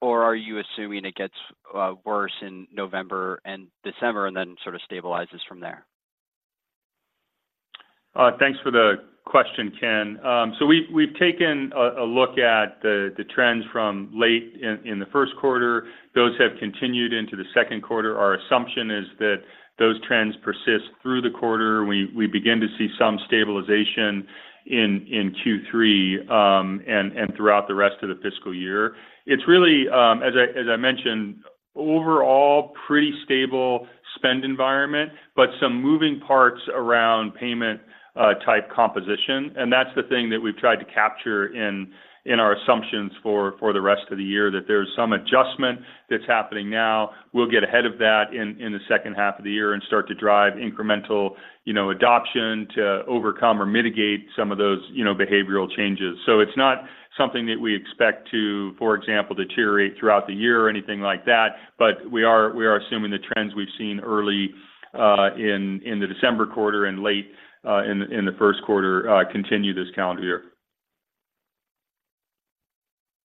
or are you assuming it gets worse in November and December, and then sort of stabilizes from there? Thanks for the question, Ken. So we've taken a look at the trends from late in the first quarter. Those have continued into the second quarter. Our assumption is that those trends persist through the quarter. We begin to see some stabilization in Q3 and throughout the rest of the fiscal year. It's really, as I mentioned, overall, pretty stable spend environment, but some moving parts around payment type composition, and that's the thing that we've tried to capture in our assumptions for the rest of the year, that there's some adjustment that's happening now. We'll get ahead of that in the second quarter and start to drive incremental, you know, adoption to overcome or mitigate some of those, you know, behavioral changes. So it's not something that we expect to, for example, deteriorate throughout the year or anything like that, but we are assuming the trends we've seen early in the December quarter and late in the first quarter continue this calendar year.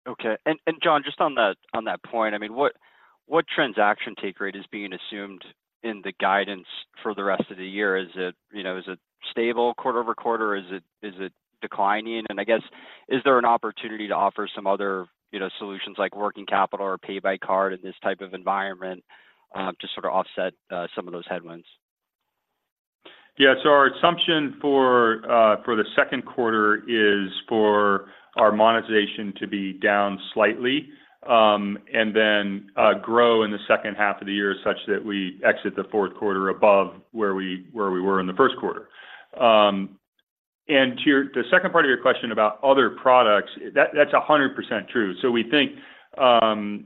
Okay. John, just on that point, I mean, what transaction take rate is being assumed in the guidance for the rest of the year? Is it, you know, is it just-... stable quarter over quarter, or is it, is it declining? And I guess, is there an opportunity to offer some other, you know, solutions like Working Capital or Pay By Card in this type of environment, to sort of offset some of those headwinds? Yeah. So our assumption for, for the second quarter is for our monetization to be down slightly, and then, grow in the second half of the year, such that we exit the fourth quarter above where we, where we were in the first quarter. And to your-- the second part of your question about other products, that, that's 100% true. So we think,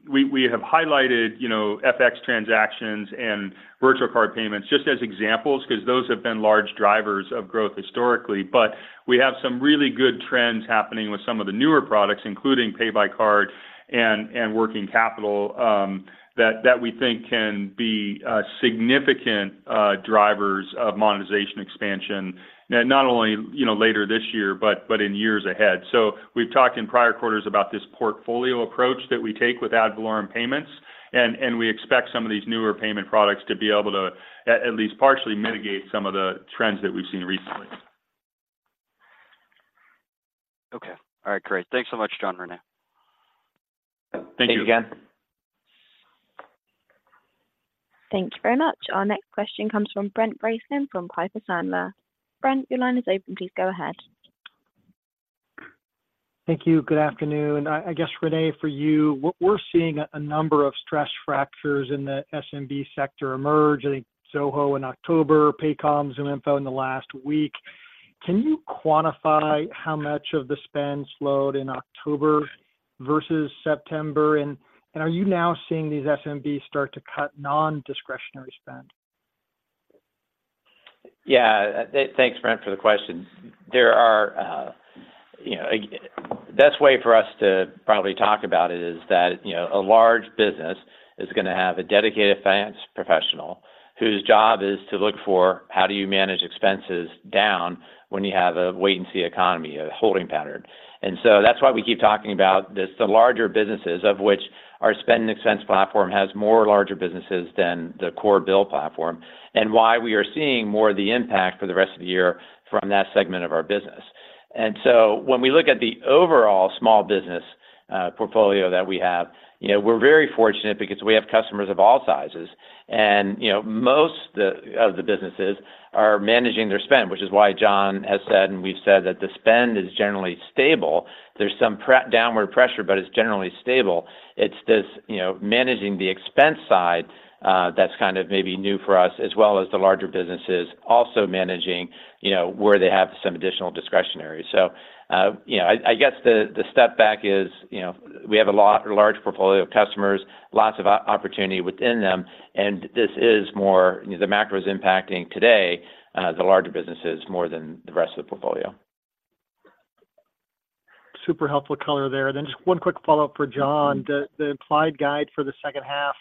we, we have highlighted, you know, FX transactions and virtual card payments just as examples, 'cause those have been large drivers of growth historically. But we have some really good trends happening with some of the newer products, including Pay By Card and, and Working Capital, that, that we think can be, significant, drivers of monetization expansion. And not only, you know, later this year, but, but in years ahead. So we've talked in prior quarters about this portfolio approach that we take with ad valorem payments, and we expect some of these newer payment products to be able to at least partially mitigate some of the trends that we've seen recently. Okay. All right, great. Thanks so much, John, René. Thank you. Thanks again. Thank you very much. Our next question comes from Brent Bracelin, from Piper Sandler. Brent, your line is open. Please go ahead. Thank you. Good afternoon. I guess, René, for you, we're seeing a number of stress fractures in the SMB sector emerge, I think SoFi in October, Paycom, ZoomInfo in the last week. Can you quantify how much of the spend slowed in October versus September? And are you now seeing these SMBs start to cut non-discretionary spend? Yeah. Thanks, Brent, for the question. There are, you know... The best way for us to probably talk about it is that, you know, a large business is gonna have a dedicated finance professional, whose job is to look for, how do you manage expenses down when you have a wait-and-see economy, a holding pattern? And so that's why we keep talking about this, the larger businesses, of which our Spend and Expense platform has more larger businesses than the core BILL platform, and why we are seeing more of the impact for the rest of the year from that segment of our business. And so when we look at the overall small business, portfolio that we have, you know, we're very fortunate because we have customers of all sizes. And, you know, most of the businesses are managing their spend, which is why John has said, and we've said, that the spend is generally stable. There's some downward pressure, but it's generally stable. It's this, you know, managing the expense side, that's kind of maybe new for us, as well as the larger businesses also managing, you know, where they have some additional discretionary. So, you know, I guess the step back is, you know, we have a large portfolio of customers, lots of opportunity within them, and this is more, you know, the macro is impacting today, the larger businesses more than the rest of the portfolio. Super helpful color there. Then just one quick follow-up for John. The implied guide for the second half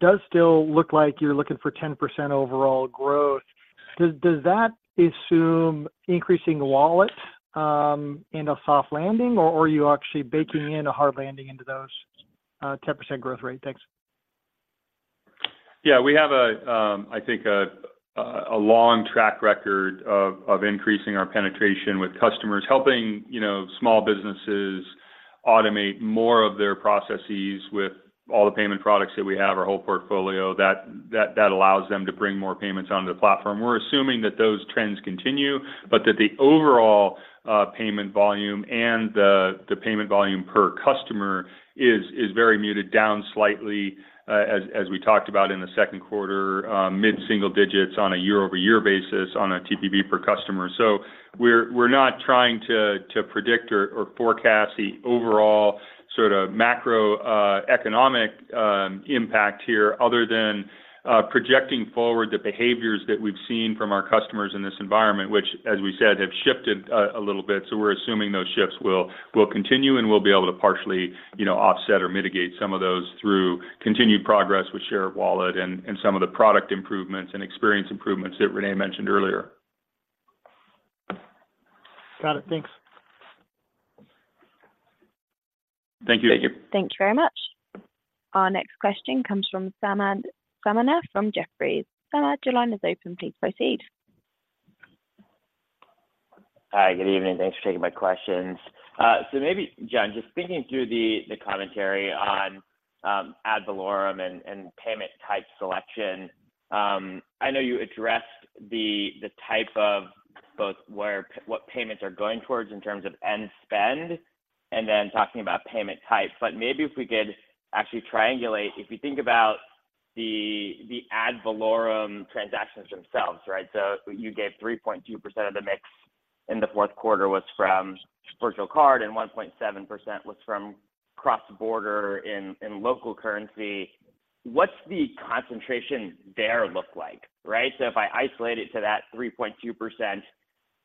does still look like you're looking for 10% overall growth. Does that assume increasing wallet in a soft landing, or are you actually baking in a hard landing into those 10% growth rate? Thanks. Yeah, we have a long track record of increasing our penetration with customers. Helping, you know, small businesses automate more of their processes with all the payment products that we have, our whole portfolio, that allows them to bring more payments onto the platform. We're assuming that those trends continue, but that the overall payment volume and the payment volume per customer is very muted down slightly, as we talked about in the second quarter, mid-single digits on a year-over-year basis on a TPV per customer. So we're not trying to predict or forecast the overall sort of macro economic impact here, other than projecting forward the behaviors that we've seen from our customers in this environment, which, as we said, have shifted a little bit. So we're assuming those shifts will continue, and we'll be able to partially, you know, offset or mitigate some of those through continued progress with share of wallet and some of the product improvements and experience improvements that René mentioned earlier. Got it. Thanks. Thank you. Thank you. Thank you very much. Our next question comes from Samad Samana from Jefferies. Samad, your line is open. Please proceed. Hi, good evening. Thanks for taking my questions. So maybe, John, just thinking through the, the commentary on, ad valorem and, and payment type selection, I know you addressed the, the type of both where, what payments are going towards in terms of end spend, and then talking about payment type. But maybe if we could actually triangulate, if we think about the, the ad valorem transactions themselves, right? So you gave 3.2% of the mix in the fourth quarter was from virtual card, and 1.7% was from cross-border and, and local currency. What's the concentration there look like, right? So if I isolate it to that 3.2%,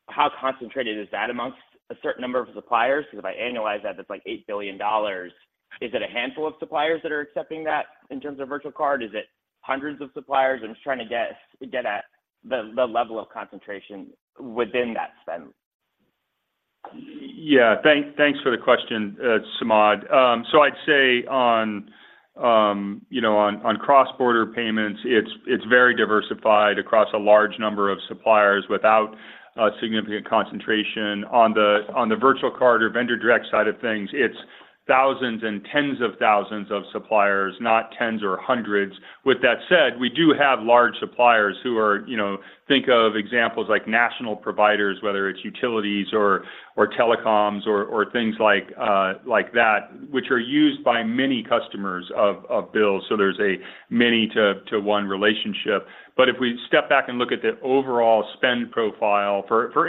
how concentrated is that amongst a certain number of suppliers? Because if I annualize that, that's like $8 billion. Is it a handful of suppliers that are accepting that in terms of virtual card? Is it hundreds of suppliers? I'm just trying to get at the level of concentration within that spend.... Yeah, thanks for the question, Samad. So I'd say on, you know, on cross-border payments, it's very diversified across a large number of suppliers without a significant concentration. On the virtual card or Vendor Direct side of things, it's thousands and tens of thousands of suppliers, not tens or hundreds. With that said, we do have large suppliers who are, you know, think of examples like national providers, whether it's utilities or telecoms or things like that, which are used by many customers of BILL. So there's a many to one relationship. But if we step back and look at the overall spend profile for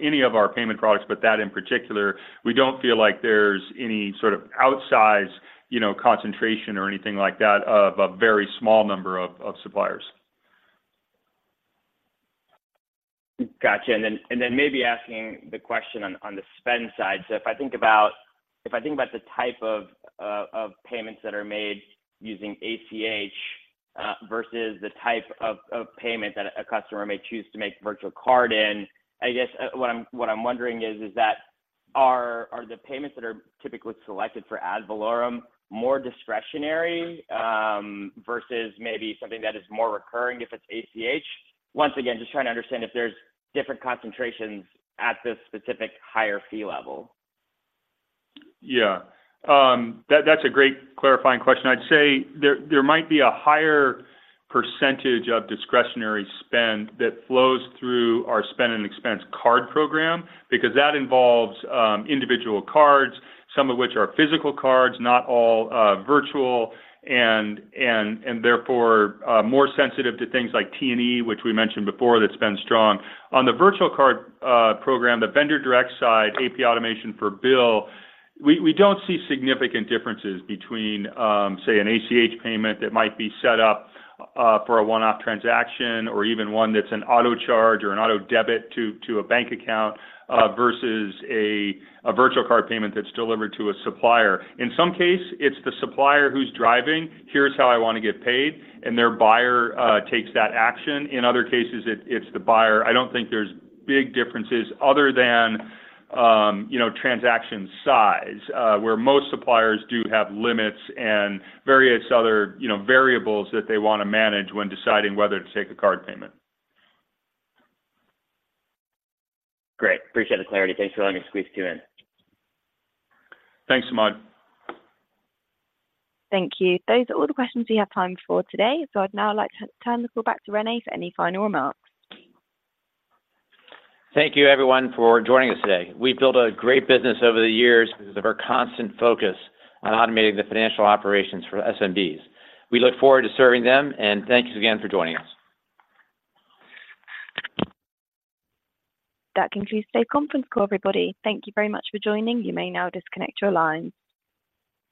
any of our payment products, but that in particular, we don't feel like there's any sort of outsized, you know, concentration or anything like that of a very small number of suppliers. Got you. Then maybe asking the question on the spend side. So if I think about the type of payments that are made using ACH versus the type of payment that a customer may choose to make virtual card in, I guess what I'm wondering is, are the payments that are typically selected for ad valorem more discretionary versus maybe something that is more recurring if it's ACH? Once again, just trying to understand if there's different concentrations at the specific higher fee level. Yeah. That's a great clarifying question. I'd say there might be a higher percentage of discretionary spend that flows through our Spend and Expense card program, because that involves individual cards, some of which are physical cards, not all virtual, and therefore more sensitive to things like T&E, which we mentioned before, that's been strong. On the virtual card program, the Vendor Direct side, AP automation for BILL, we don't see significant differences between, say, an ACH payment that might be set up for a one-off transaction or even one that's an auto charge or an auto debit to a bank account versus a virtual card payment that's delivered to a supplier. In some cases, it's the supplier who's driving, "Here's how I want to get paid," and their buyer takes that action. In other cases, it's the buyer. I don't think there's big differences other than, you know, transaction size, where most suppliers do have limits and various other, you know, variables that they want to manage when deciding whether to take a card payment. Great. Appreciate the clarity. Thanks for letting me squeeze you in. Thanks, Samad. Thank you. Those are all the questions we have time for today, so I'd now like to turn the call back to René for any final remarks. Thank you, everyone, for joining us today. We've built a great business over the years because of our constant focus on automating the financial operations for SMBs. We look forward to serving them and thank you again for joining us. That concludes today's conference call, everybody. Thank you very much for joining. You may now disconnect your lines.